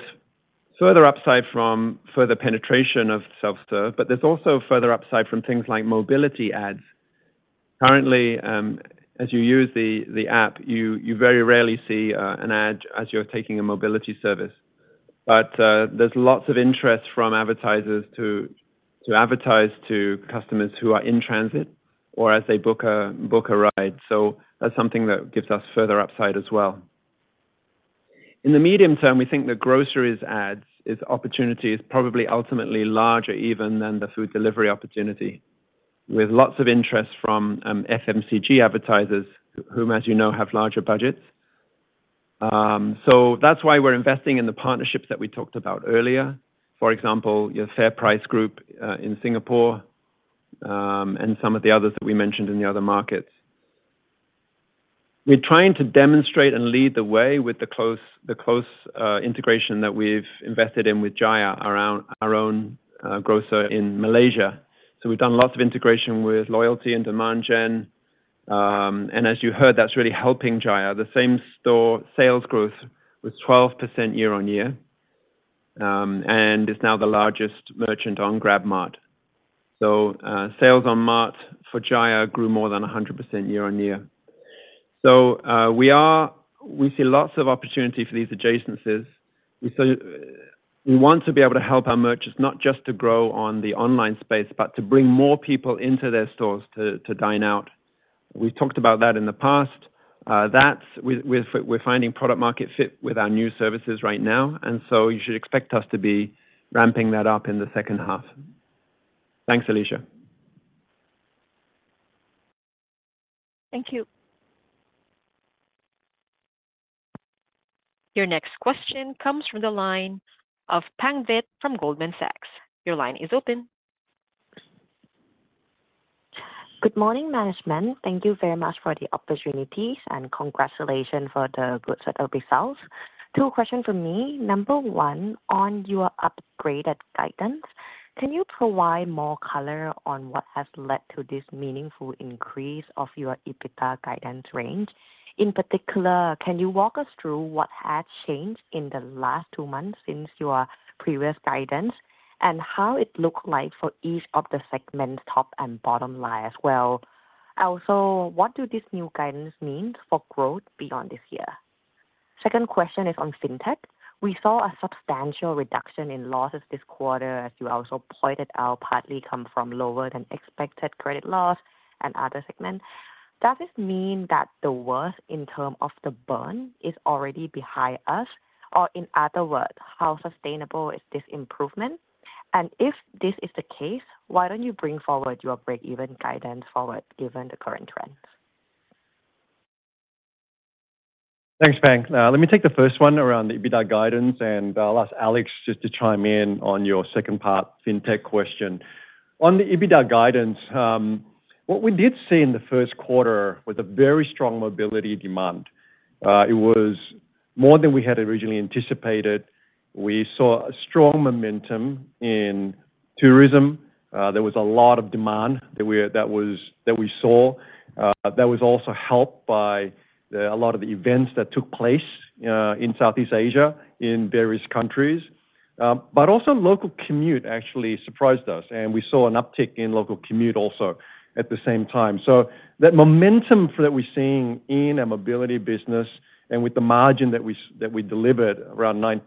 S3: further upside from further penetration of self-serve, but there's also further upside from things like mobility ads. Currently, as you use the app, you very rarely see an ad as you're taking a mobility service. But there's lots of interest from advertisers to advertise to customers who are in transit or as they book a ride. So that's something that gives us further upside as well. In the medium term, we think that groceries ads is opportunities probably ultimately larger even than the food delivery opportunity, with lots of interest from FMCG advertisers, whom, as you know, have larger budgets. So that's why we're investing in the partnerships that we talked about earlier. For example, our FairPrice Group in Singapore, and some of the others that we mentioned in the other markets. We're trying to demonstrate and lead the way with the close integration that we've invested in with Jaya, our own grocer in Malaysia. So we've done lots of integration with loyalty and demand gen. And as you heard, that's really helping Jaya. The same-store sales growth was 12% year-on-year, and is now the largest merchant on GrabMart. So sales on Mart for Jaya grew more than 100% year-on-year. So we see lots of opportunity for these adjacencies. We want to be able to help our merchants, not just to grow on the online space, but to bring more people into their stores to dine out. We've talked about that in the past. That's... We're finding product market fit with our new services right now, and so you should expect us to be ramping that up in the second half. Thanks, Alicia.
S5: Thank you.
S1: Your next question comes from the line of Pang Vitt from Goldman Sachs. Your line is open.
S6: Good morning, management. Thank you very much for the opportunities, and congratulations for the good set of results. two questions from me. Number 1, on your upgraded guidance, can you provide more color on what has led to this meaningful increase of your EBITDA guidance range? In particular, can you walk us through what has changed in the last two months since your previous guidance and how it look like for each of the segments, top and bottom line as well? Also, what do this new guidance mean for growth beyond this year? Second question is on Fintech. We saw a substantial reduction in losses this quarter, as you also pointed out, partly come from lower than expected credit loss and other segments. Does this mean that the worst in term of the burn is already behind us, or in other words, how sustainable is this improvement? If this is the case, why don't you bring forward your breakeven guidance, given the current trends?
S4: Thanks, Pang. Let me take the first one around the EBITDA guidance, and I'll ask Alex just to chime in on your second part, Fintech question. On the EBITDA guidance, what we did see in the first quarter was a very strong mobility demand. It was more than we had originally anticipated. We saw a strong momentum in tourism, there was a lot of demand that we had—that was, that we saw, that was also helped by the, a lot of the events that took place, in Southeast Asia, in various countries. But also local commute actually surprised us, and we saw an uptick in local commute also at the same time. So that momentum that we're seeing in our mobility business and with the margin that we, that we delivered around 9%,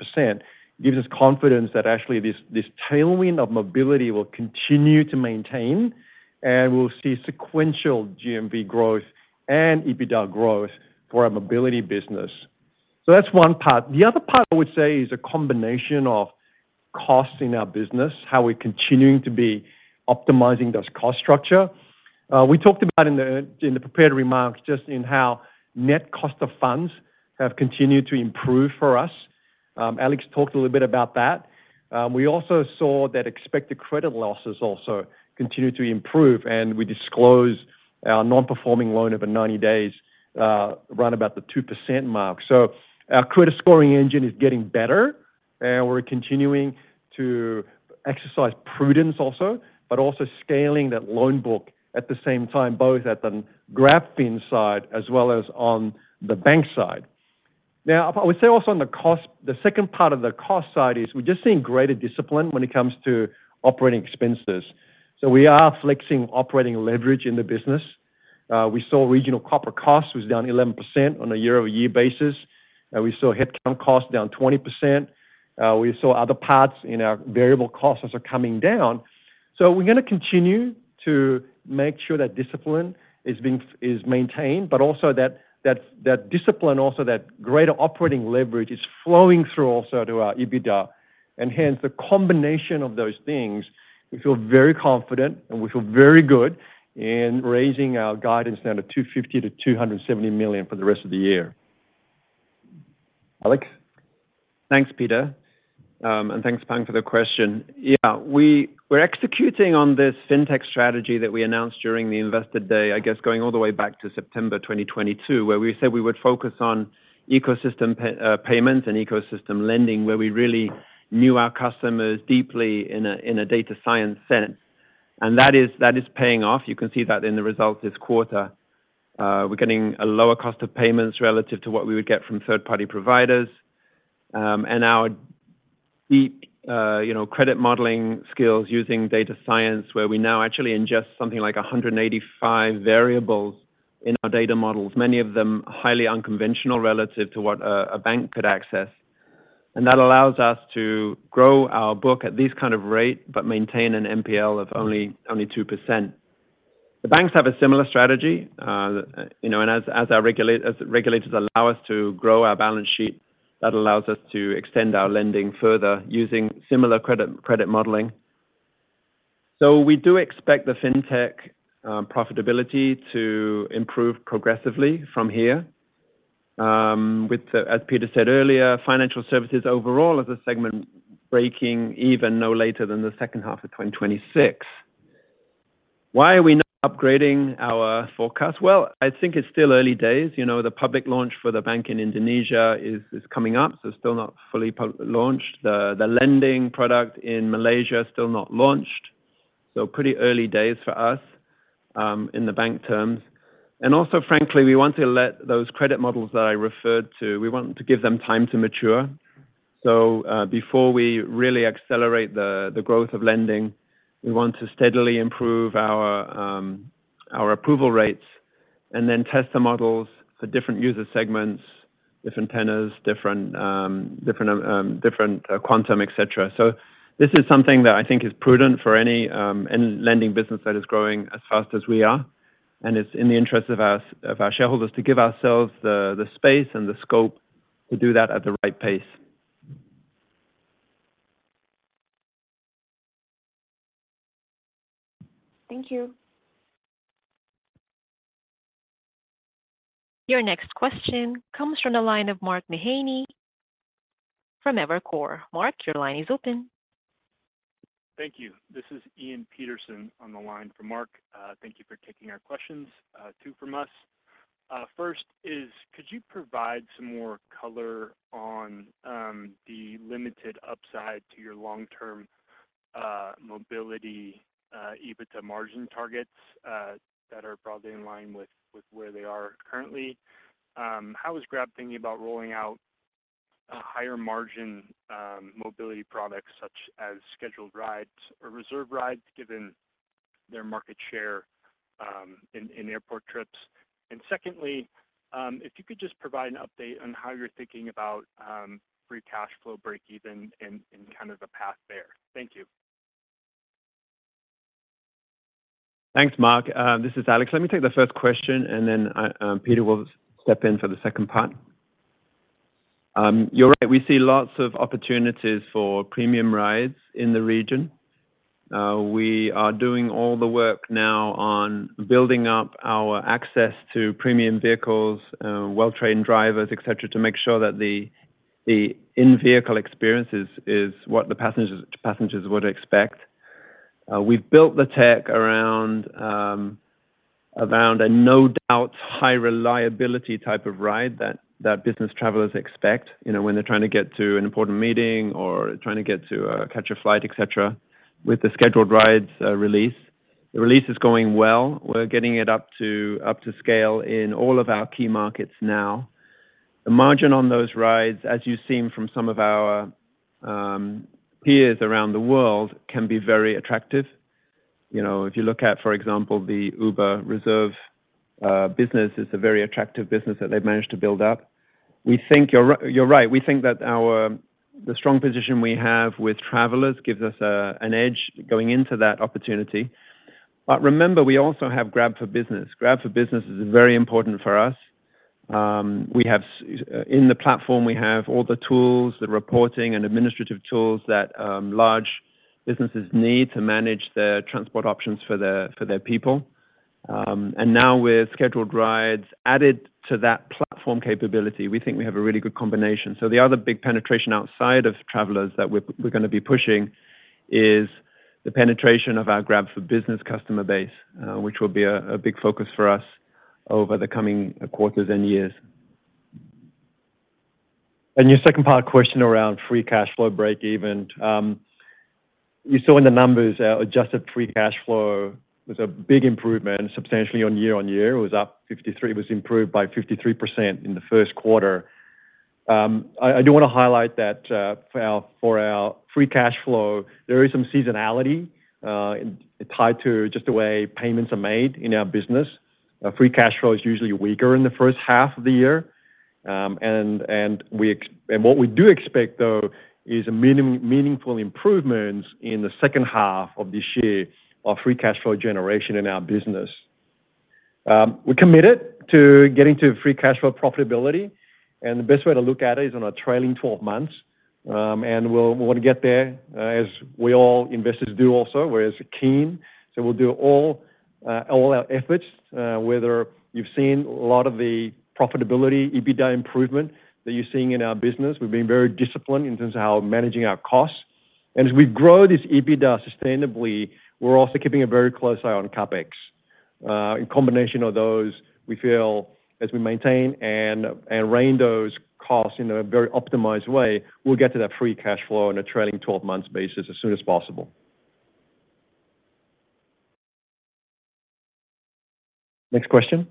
S4: gives us confidence that actually this, this tailwind of mobility will continue to maintain, and we'll see sequential GMV growth and EBITDA growth for our mobility business. So that's one part. The other part, I would say, is a combination of costs in our business, how we're continuing to be optimizing those cost structure. We talked about in the prepared remarks just in how net cost of funds have continued to improve for us. Alex talked a little bit about that. We also saw that expected credit losses also continued to improve, and we disclosed our non-performing loan over 90 days, round about the 2% mark. So our credit scoring engine is getting better, and we're continuing to exercise prudence also, but also scaling that loan book at the same time, both at the GrabFin side as well as on the bank side. Now, I would say also on the cost, the second part of the cost side is we're just seeing greater discipline when it comes to operating expenses. So we are flexing operating leverage in the business. We saw regional corporate costs was down 11% on a year-over-year basis, and we saw headcount costs down 20%. We saw other parts in our variable costs are coming down. So we're going to continue to make sure that discipline is being maintained, but also that discipline also that greater operating leverage is flowing through also to our EBITDA. And hence, the combination of those things, we feel very confident, and we feel very good in raising our guidance down to $250 million-$270 million for the rest of the year. Alex?
S3: Thanks, Peter. And thanks, Pang, for the question. Yeah, we're executing on this Fintech strategy that we announced during the Investor Day, I guess, going all the way back to September 2022, where we said we would focus on ecosystem payments and ecosystem lending, where we really knew our customers deeply in a data science sense. And that is paying off. You can see that in the results this quarter. We're getting a lower cost of payments relative to what we would get from third-party providers. And our deep, you know, credit modeling skills using data science, where we now actually ingest something like 185 variables in our data models, many of them highly unconventional relative to what a bank could access. And that allows us to grow our book at this kind of rate, but maintain an NPL of only 2%. The banks have a similar strategy, you know, and as regulators allow us to grow our balance sheet, that allows us to extend our lending further using similar credit modeling. So we do expect the Fintech profitability to improve progressively from here. As Peter said earlier, financial services overall as a segment breaking even no later than the second half of 2026. Why are we not upgrading our forecast? Well, I think it's still early days. You know, the public launch for the bank in Indonesia is coming up, so still not fully launched. The lending product in Malaysia is still not launched. So pretty early days for us in the bank terms. And also, frankly, we want to let those credit models that I referred to, we want to give them time to mature. So, before we really accelerate the growth of lending, we want to steadily improve our approval rates and then test the models for different user segments, different tenors, different quantum, et cetera. So this is something that I think is prudent for any lending business that is growing as fast as we are, and it's in the interest of us, of our shareholders to give ourselves the space and the scope to do that at the right pace.
S1: Thank you. Your next question comes from the line of Mark Mahaney from Evercore. Mark, your line is open.
S7: Thank you. This is Ian Peterson on the line for Mark. Thank you for taking our questions, two from us. First is, could you provide some more color on the limited upside to your long-term mobility EBITDA margin targets that are broadly in line with where they are currently? How is Grab thinking about rolling out a higher margin mobility products such as scheduled rides or reserve rides, given their market share in airport trips? And secondly, if you could just provide an update on how you're thinking about free cash flow breakeven and kind of the path there. Thank you.
S3: Thanks, Mark. This is Alex. Let me take the first question, and then Peter will step in for the second part. You're right. We see lots of opportunities for premium rides in the region. We are doing all the work now on building up our access to premium vehicles, well-trained drivers, et cetera, to make sure that the in-vehicle experience is what the passengers would expect. We've built the tech around a no doubt high reliability type of ride that business travelers expect, you know, when they're trying to get to an important meeting or trying to get to catch a flight, et cetera, with the scheduled rides release. The release is going well. We're getting it up to scale in all of our key markets now. The margin on those rides, as you've seen from some of our peers around the world, can be very attractive. You know, if you look at, for example, the Uber Reserve business, is a very attractive business that they've managed to build up. We think you're right. We think that our strong position we have with travelers gives us an edge going into that opportunity. But remember, we also have Grab for Business. Grab for Business is very important for us. In the platform, we have all the tools, the reporting and administrative tools that large businesses need to manage their transport options for their people. And now with scheduled rides added to that platform capability, we think we have a really good combination. So the other big penetration outside of travelers that we're gonna be pushing is the penetration of our Grab for Business customer base, which will be a big focus for us over the coming quarters and years.
S4: And your second part question around free cash flow breakeven. You saw in the numbers, our Adjusted Free Cash Flow was a big improvement, substantially year-on-year. It was up 53, it was improved by 53% in the first quarter. I do wanna highlight that, for our free cash flow, there is some seasonality, and tied to just the way payments are made in our business. Our free cash flow is usually weaker in the first half of the year. And what we do expect, though, is meaningful improvements in the second half of this year of free cash flow generation in our business. We're committed to getting to free cash flow profitability, and the best way to look at it is on a trailing twelve months. And we want to get there, as we all investors do also. We're as keen. So we'll do all our efforts, whether you've seen a lot of the profitability, EBITDA improvement that you're seeing in our business. We've been very disciplined in terms of how we're managing our costs. And as we grow this EBITDA sustainably, we're also keeping a very close eye on CapEx. In combination of those, we feel as we maintain and rein those costs in a very optimized way, we'll get to that free cash flow on a trailing twelve-months basis as soon as possible. Next question?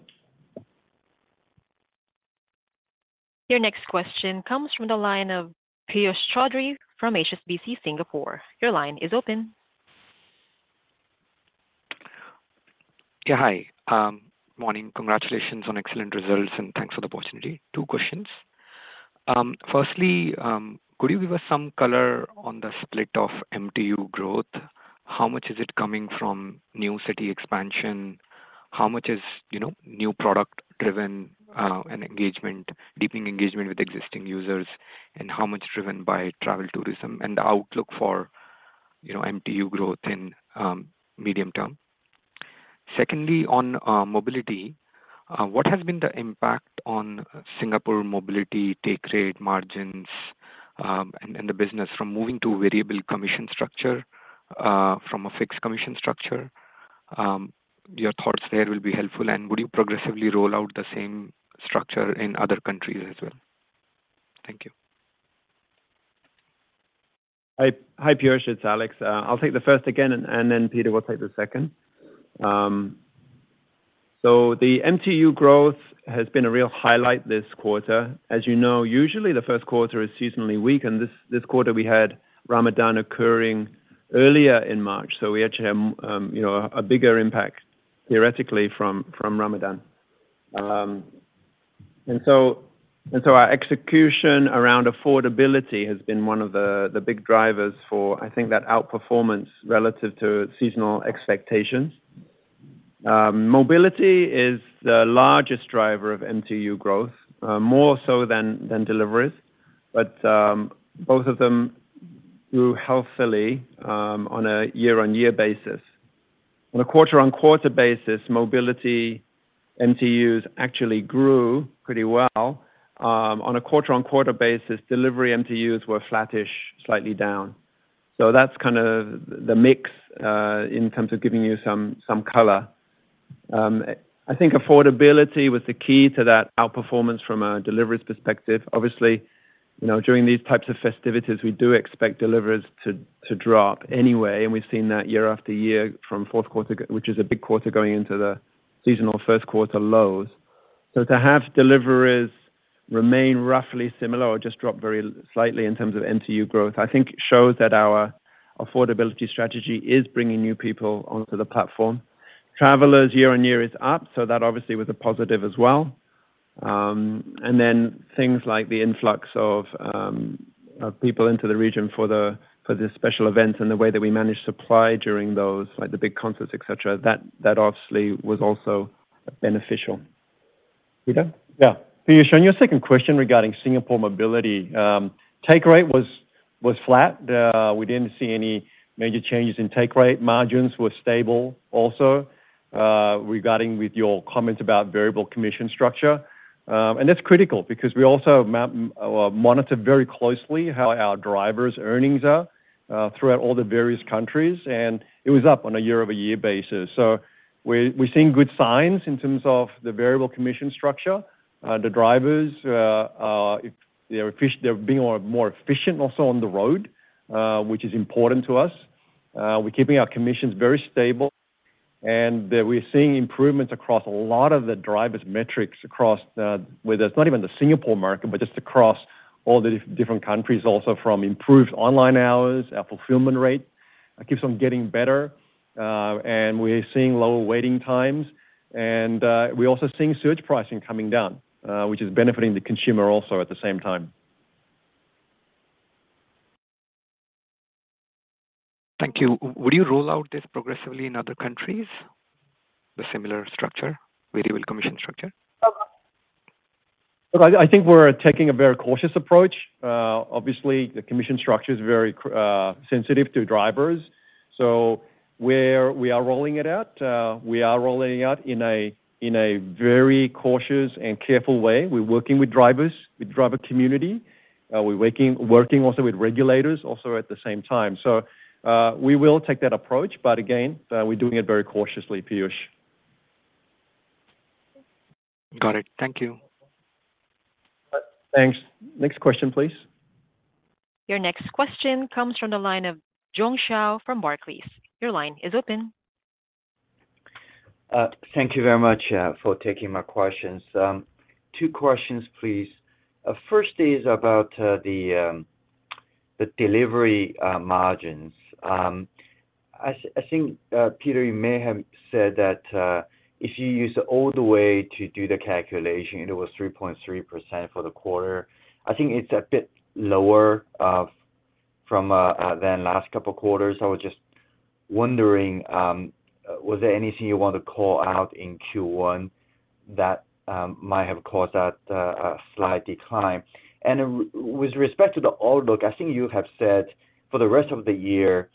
S1: Your next question comes from the line of Piyush Choudhary from HSBC, Singapore. Your line is open.
S8: Yeah, hi. Morning. Congratulations on excellent results, and thanks for the opportunity. Two questions. Firstly, could you give us some color on the split of MTU growth? How much is it coming from new city expansion? How much is, you know, new product-driven, and engagement, deepening engagement with existing users? And how much is driven by travel tourism and the outlook for, you know, MTU growth in, medium term? Secondly, on, mobility, what has been the impact on Singapore mobility take rate, margins, and, and the business from moving to variable commission structure, from a fixed commission structure? Your thoughts there will be helpful, and would you progressively roll out the same structure in other countries as well? Thank you.
S3: Hi, Piyush, it's Alex. I'll take the first again, and then Peter will take the second. So the MTU growth has been a real highlight this quarter. As you know, usually the first quarter is seasonally weak, and this quarter we had Ramadan occurring earlier in March, so we actually had, you know, a bigger impact theoretically from Ramadan. And so our execution around affordability has been one of the big drivers for, I think, that outperformance relative to seasonal expectations. Mobility is the largest driver of MTU growth, more so than deliveries, but both of them grew healthily on a year-on-year basis. On a quarter-on-quarter basis, mobility MTUs actually grew pretty well. On a quarter-on-quarter basis, delivery MTUs were flattish, slightly down. So that's kind of the mix in terms of giving you some, some color. I think affordability was the key to that outperformance from a deliveries perspective. Obviously, you know, during these types of festivities, we do expect deliveries to drop anyway, and we've seen that year after year from fourth quarter, which is a big quarter, going into the seasonal first quarter lows. So to have deliveries remain roughly similar or just drop very slightly in terms of MTU growth, I think shows that our affordability strategy is bringing new people onto the platform. Travelers year-on-year is up, so that obviously was a positive as well. And then things like the influx of people into the region for this special event and the way that we manage supply during those, like the big concerts, et cetera, that, that obviously was also beneficial. Peter?
S4: Yeah. Piyush, on your second question regarding Singapore mobility, take rate was flat. We didn't see any major changes in take rate. Margins were stable also. Regarding with your comments about variable commission structure, and that's critical because we also map or monitor very closely how our drivers' earnings are throughout all the various countries, and it was up on a year-over-year basis. So we're seeing good signs in terms of the variable commission structure. The drivers, if they're being more efficient also on the road, which is important to us. We're keeping our commissions very stable, and we're seeing improvements across a lot of the drivers' metrics across the whether it's not even the Singapore market, but just across all the different countries, also from improved online hours, our fulfillment rate, it keeps on getting better, and we're seeing lower waiting times. And we're also seeing surge pricing coming down, which is benefiting the consumer also at the same time.
S8: Thank you. Would you roll out this progressively in other countries, the similar structure, variable commission structure?
S4: Look, I think we're taking a very cautious approach. Obviously, the commission structure is very sensitive to drivers, so where we are rolling it out, we are rolling it out in a very cautious and careful way. We're working with drivers, with driver community, we're working also with regulators also at the same time. So, we will take that approach, but again, we're doing it very cautiously, Piyush.
S8: Got it. Thank you.
S4: Thanks. Next question, please.
S1: Your next question comes from the line of Jiong Shao from Barclays. Your line is open.
S9: Thank you very much for taking my questions. Two questions, please. First is about the delivery margins. I think Peter, you may have said that if you use all the way to do the calculation, it was 3.3% for the quarter. I think it's a bit lower from than last couple of quarters. I was just wondering was there anything you want to call out in Q1 that might have caused that slight decline? And with respect to the outlook, I think you have said for the rest of the year,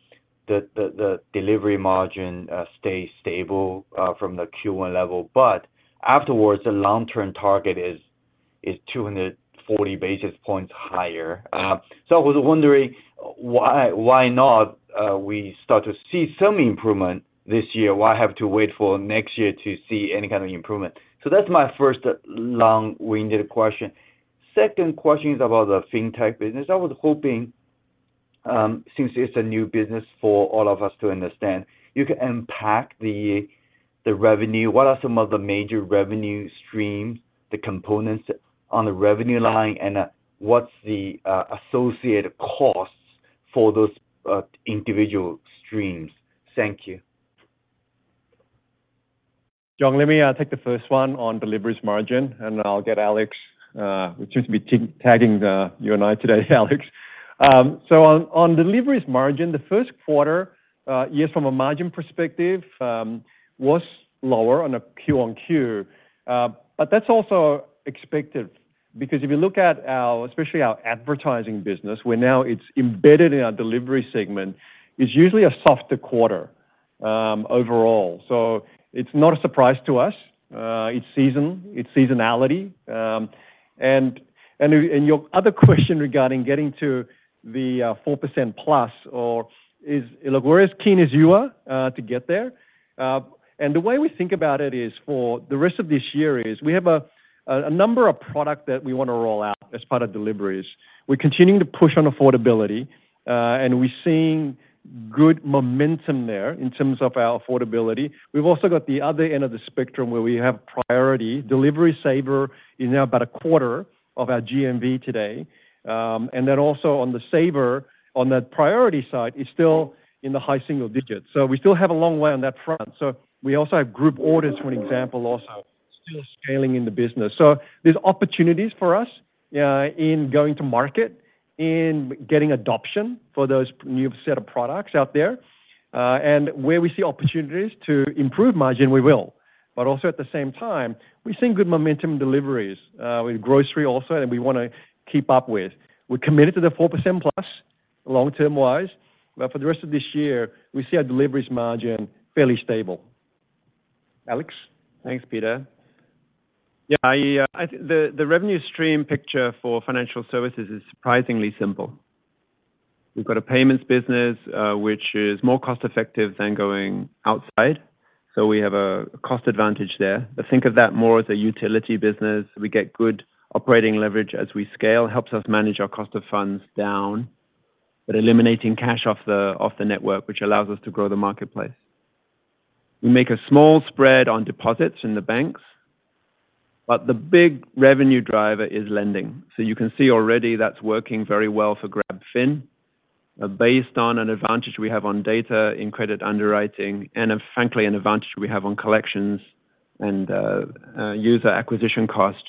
S9: the delivery margin stay stable from the Q1 level, but afterwards, the long-term target is 240 basis points higher. So I was wondering why, why not, we start to see some improvement this year? Why have to wait for next year to see any kind of improvement? So that's my first long-winded question. Second question is about the fintech business. I was hoping, since it's a new business for all of us to understand, you can unpack the, the revenue. What are some of the major revenue streams, the components on the revenue line, and, what's the, associated costs for those, individual streams? Thank you.
S4: Jiong, let me take the first one on deliveries margin, and I'll get Alex. We seem to be team-tagging, you and I today, Alex. So on deliveries margin, the first quarter, yes, from a margin perspective, was lower on a Q-on-Q. But that's also expected because if you look at our, especially our advertising business, where now it's embedded in our delivery segment, is usually a softer quarter, overall. So it's not a surprise to us. It's seasonal, it's seasonality. And your other question regarding getting to the 4% plus or is... Look, we're as keen as you are to get there. The way we think about it is for the rest of this year, we have a number of products that we wanna roll out as part of deliveries. We're continuing to push on affordability, and we're seeing good momentum there in terms of our affordability. We've also got the other end of the spectrum, where we have Priority. Saver deliveries is now about a quarter of our GMV today. Then also on the Saver, on that Priority side, is still in the high single digits. So we still have a long way on that front. So we also have group orders, for example, also still scaling in the business. So there's opportunities for us, in going to market, in getting adoption for those new set of products out there. And where we see opportunities to improve margin, we will. But also at the same time, we're seeing good momentum in deliveries with grocery also, and we wanna keep up with. We're committed to the 4% plus long-term wise, but for the rest of this year, we see our deliveries margin fairly stable. Alex?
S3: Thanks, Peter. Yeah, I think the revenue stream picture for financial services is surprisingly simple. We've got a payments business, which is more cost-effective than going outside, so we have a cost advantage there. I think of that more as a utility business. We get good operating leverage as we scale, helps us manage our cost of funds down, but eliminating cash off the network, which allows us to grow the marketplace. We make a small spread on deposits in the banks, but the big revenue driver is lending. So you can see already that's working very well for GrabFin. Based on an advantage we have on data, in credit underwriting, and frankly, an advantage we have on collections and user acquisition cost,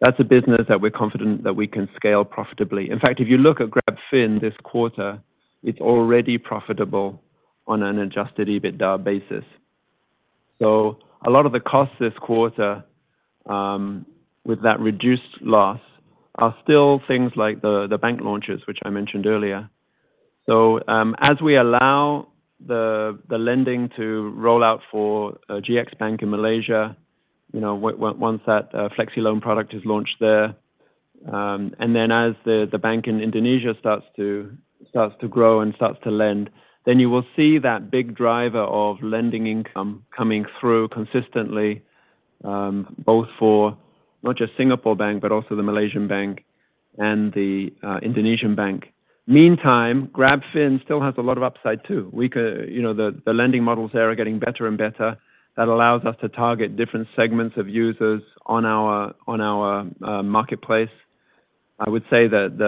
S3: that's a business that we're confident that we can scale profitably. In fact, if you look at GrabFin this quarter, it's already profitable on an Adjusted EBITDA basis. So a lot of the costs this quarter with that reduced loss are still things like the bank launches, which I mentioned earlier. So, as we allow the lending to roll out for GXBank in Malaysia, you know, once that Flexi Loan product is launched there, and then as the bank in Indonesia starts to grow and starts to lend, then you will see that big driver of lending income coming through consistently, both for not just Singapore Bank, but also the Malaysian Bank and the Indonesian Bank. Meantime, GrabFin still has a lot of upside too. We could, you know, the lending models there are getting better and better. That allows us to target different segments of users on our marketplace. I would say that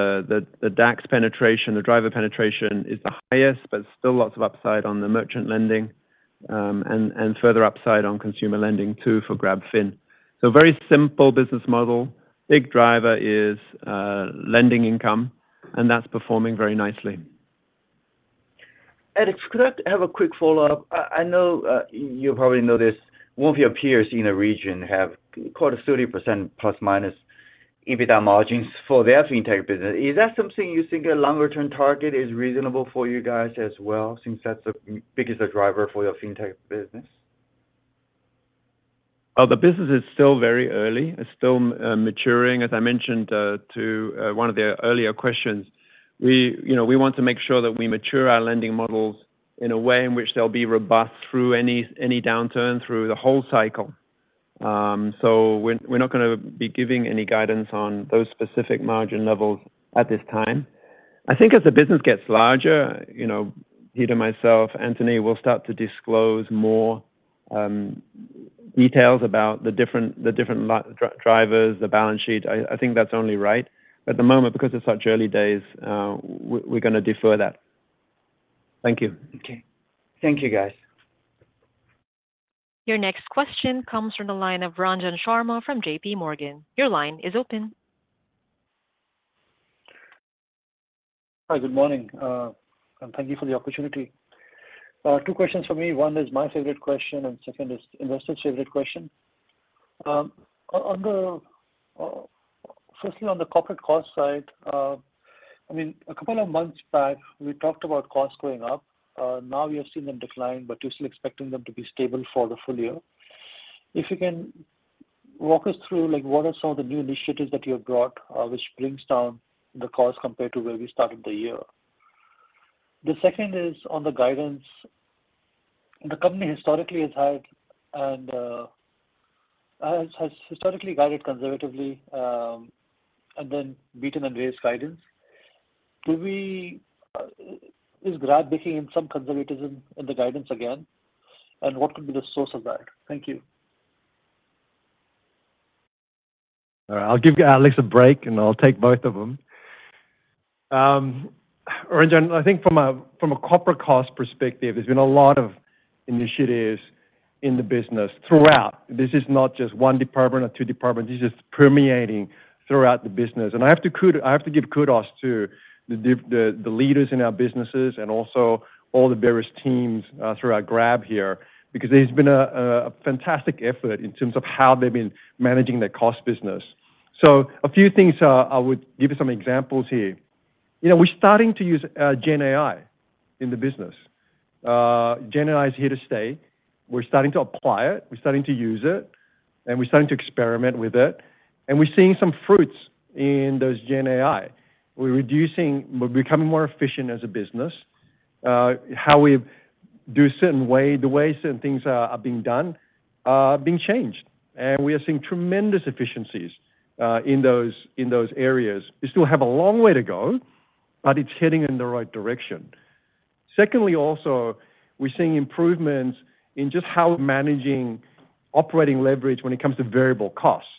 S3: the DAX penetration, the driver penetration is the highest, but still lots of upside on the merchant lending, and further upside on consumer lending, too, for GrabFin. So very simple business model. Big driver is lending income, and that's performing very nicely.
S9: Alex, could I have a quick follow-up? I know, you probably know this, one of your peers in the region have quarterly 30% ± EBITDA margins for their Fintech business. Is that something you think a longer-term target is reasonable for you guys as well, since that's the biggest driver for your Fintech business?
S3: Oh, the business is still very early. It's still maturing. As I mentioned to one of the earlier questions, we, you know, we want to make sure that we mature our lending models in a way in which they'll be robust through any downturn, through the whole cycle. So we're not gonna be giving any guidance on those specific margin levels at this time. I think as the business gets larger, you know, Peter, myself, Anthony, will start to disclose more details about the different drivers, the balance sheet. I think that's only right. At the moment, because it's such early days, we're gonna defer that.
S9: Thank you. Okay. Thank you, guys.
S1: Your next question comes from the line of Ranjan Sharma from JPMorgan. Your line is open.
S10: Hi, good morning, and thank you for the opportunity. Two questions for me. One is my favorite question, and second is investor's favorite question. Firstly, on the corporate cost side, I mean, a couple of months back, we talked about costs going up. Now we are seeing them decline, but you're still expecting them to be stable for the full year. If you can walk us through, like, what are some of the new initiatives that you have brought, which brings down the cost compared to where we started the year? The second is on the guidance. The company has historically guided conservatively, and then beaten and raised guidance. Is Grab baking in some conservatism in the guidance again, and what could be the source of that? Thank you.
S4: All right, I'll give Alex a break, and I'll take both of them. Ranjan, I think from a corporate cost perspective, there's been a lot of initiatives in the business throughout. This is not just one department or two departments, this is permeating throughout the business. And I have to give kudos to the leaders in our businesses and also all the various teams throughout Grab here, because there's been a fantastic effort in terms of how they've been managing their cost business. So a few things, I would give you some examples here. You know, we're starting to use Gen AI in the business. Gen AI is here to stay. We're starting to apply it, we're starting to use it, and we're starting to experiment with it, and we're seeing some fruits in those Gen AI. We're reducing. We're becoming more efficient as a business. How we do certain way, the way certain things are being done, are being changed, and we are seeing tremendous efficiencies, in those areas. We still have a long way to go, but it's heading in the right direction. Secondly, also, we're seeing improvements in just how we're managing operating leverage when it comes to variable costs.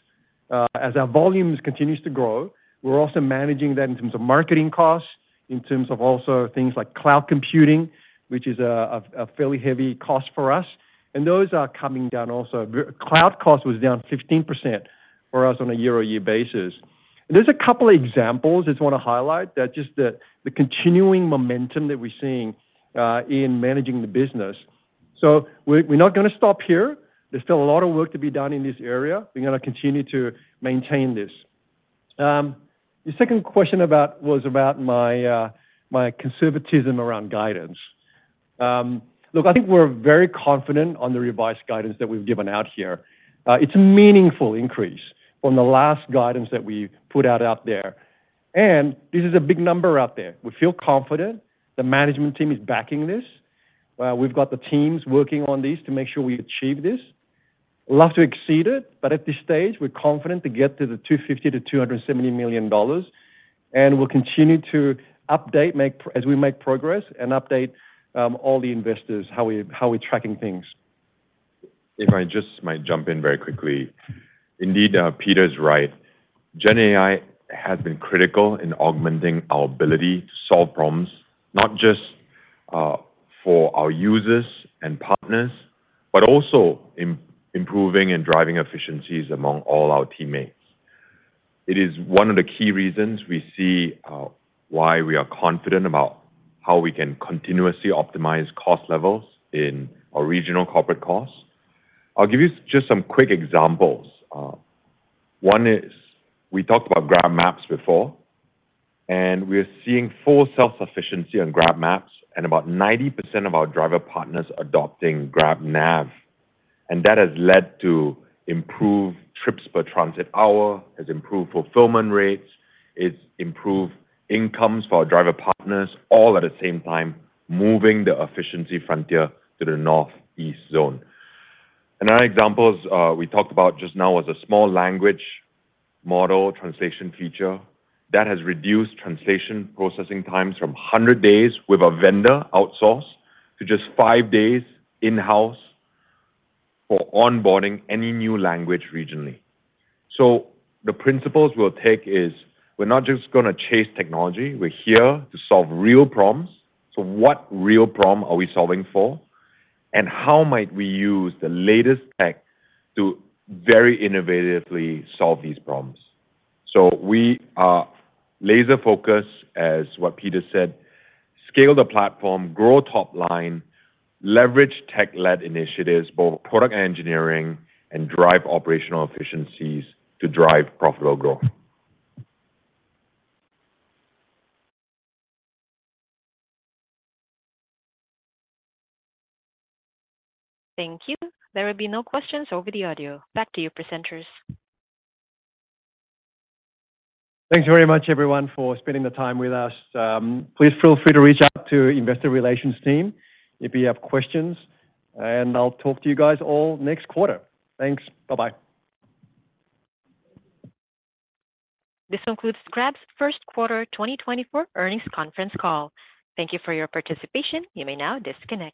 S4: As our volumes continues to grow, we're also managing that in terms of marketing costs, in terms of also things like cloud computing, which is a fairly heavy cost for us, and those are coming down also. The cloud cost was down 15% for us on a year-on-year basis. And there's a couple of examples I just wanna highlight, that just the continuing momentum that we're seeing in managing the business. So we're not gonna stop here. There's still a lot of work to be done in this area. We're gonna continue to maintain this. The second question was about my conservatism around guidance. Look, I think we're very confident on the revised guidance that we've given out here. It's a meaningful increase from the last guidance that we put out there, and this is a big number out there. We feel confident. The management team is backing this. We've got the teams working on this to make sure we achieve this. Love to exceed it, but at this stage, we're confident to get to the $250 million-$270 million, and we'll continue to update as we make progress and update all the investors how we're tracking things.
S11: If I just might jump in very quickly. Indeed, Peter's right. Gen AI has been critical in augmenting our ability to solve problems, not just, for our users and partners, but also improving and driving efficiencies among all our teammates. It is one of the key reasons we see, why we are confident about how we can continuously optimize cost levels in our regional corporate costs. I'll give you just some quick examples. One is, we talked about GrabMaps before, and we're seeing full self-sufficiency on GrabMaps, and about 90% of our driver partners adopting GrabNav, and that has led to improved trips per transit hour, has improved fulfillment rates, it's improved incomes for our driver partners, all at the same time, moving the efficiency frontier to the northeast zone. Another example is, we talked about just now was a small language model translation feature. That has reduced translation processing times from 100 days with a vendor outsource, to just five days in-house for onboarding any new language regionally. So the principles we'll take is, we're not just gonna chase technology, we're here to solve real problems. So what real problem are we solving for? And how might we use the latest tech to very innovatively solve these problems? We are laser-focused, as what Peter said, scale the platform, grow top line, leverage tech-led initiatives, both product and engineering, and drive operational efficiencies to drive profitable growth.
S1: Thank you. There will be no questions over the audio. Back to you, presenters.
S4: Thanks very much, everyone, for spending the time with us. Please feel free to reach out to investor relations team if you have questions, and I'll talk to you guys all next quarter. Thanks. Bye-bye.
S1: This concludes Grab's First Quarter 2024 Earnings Conference Call. Thank you for your participation. You may now disconnect.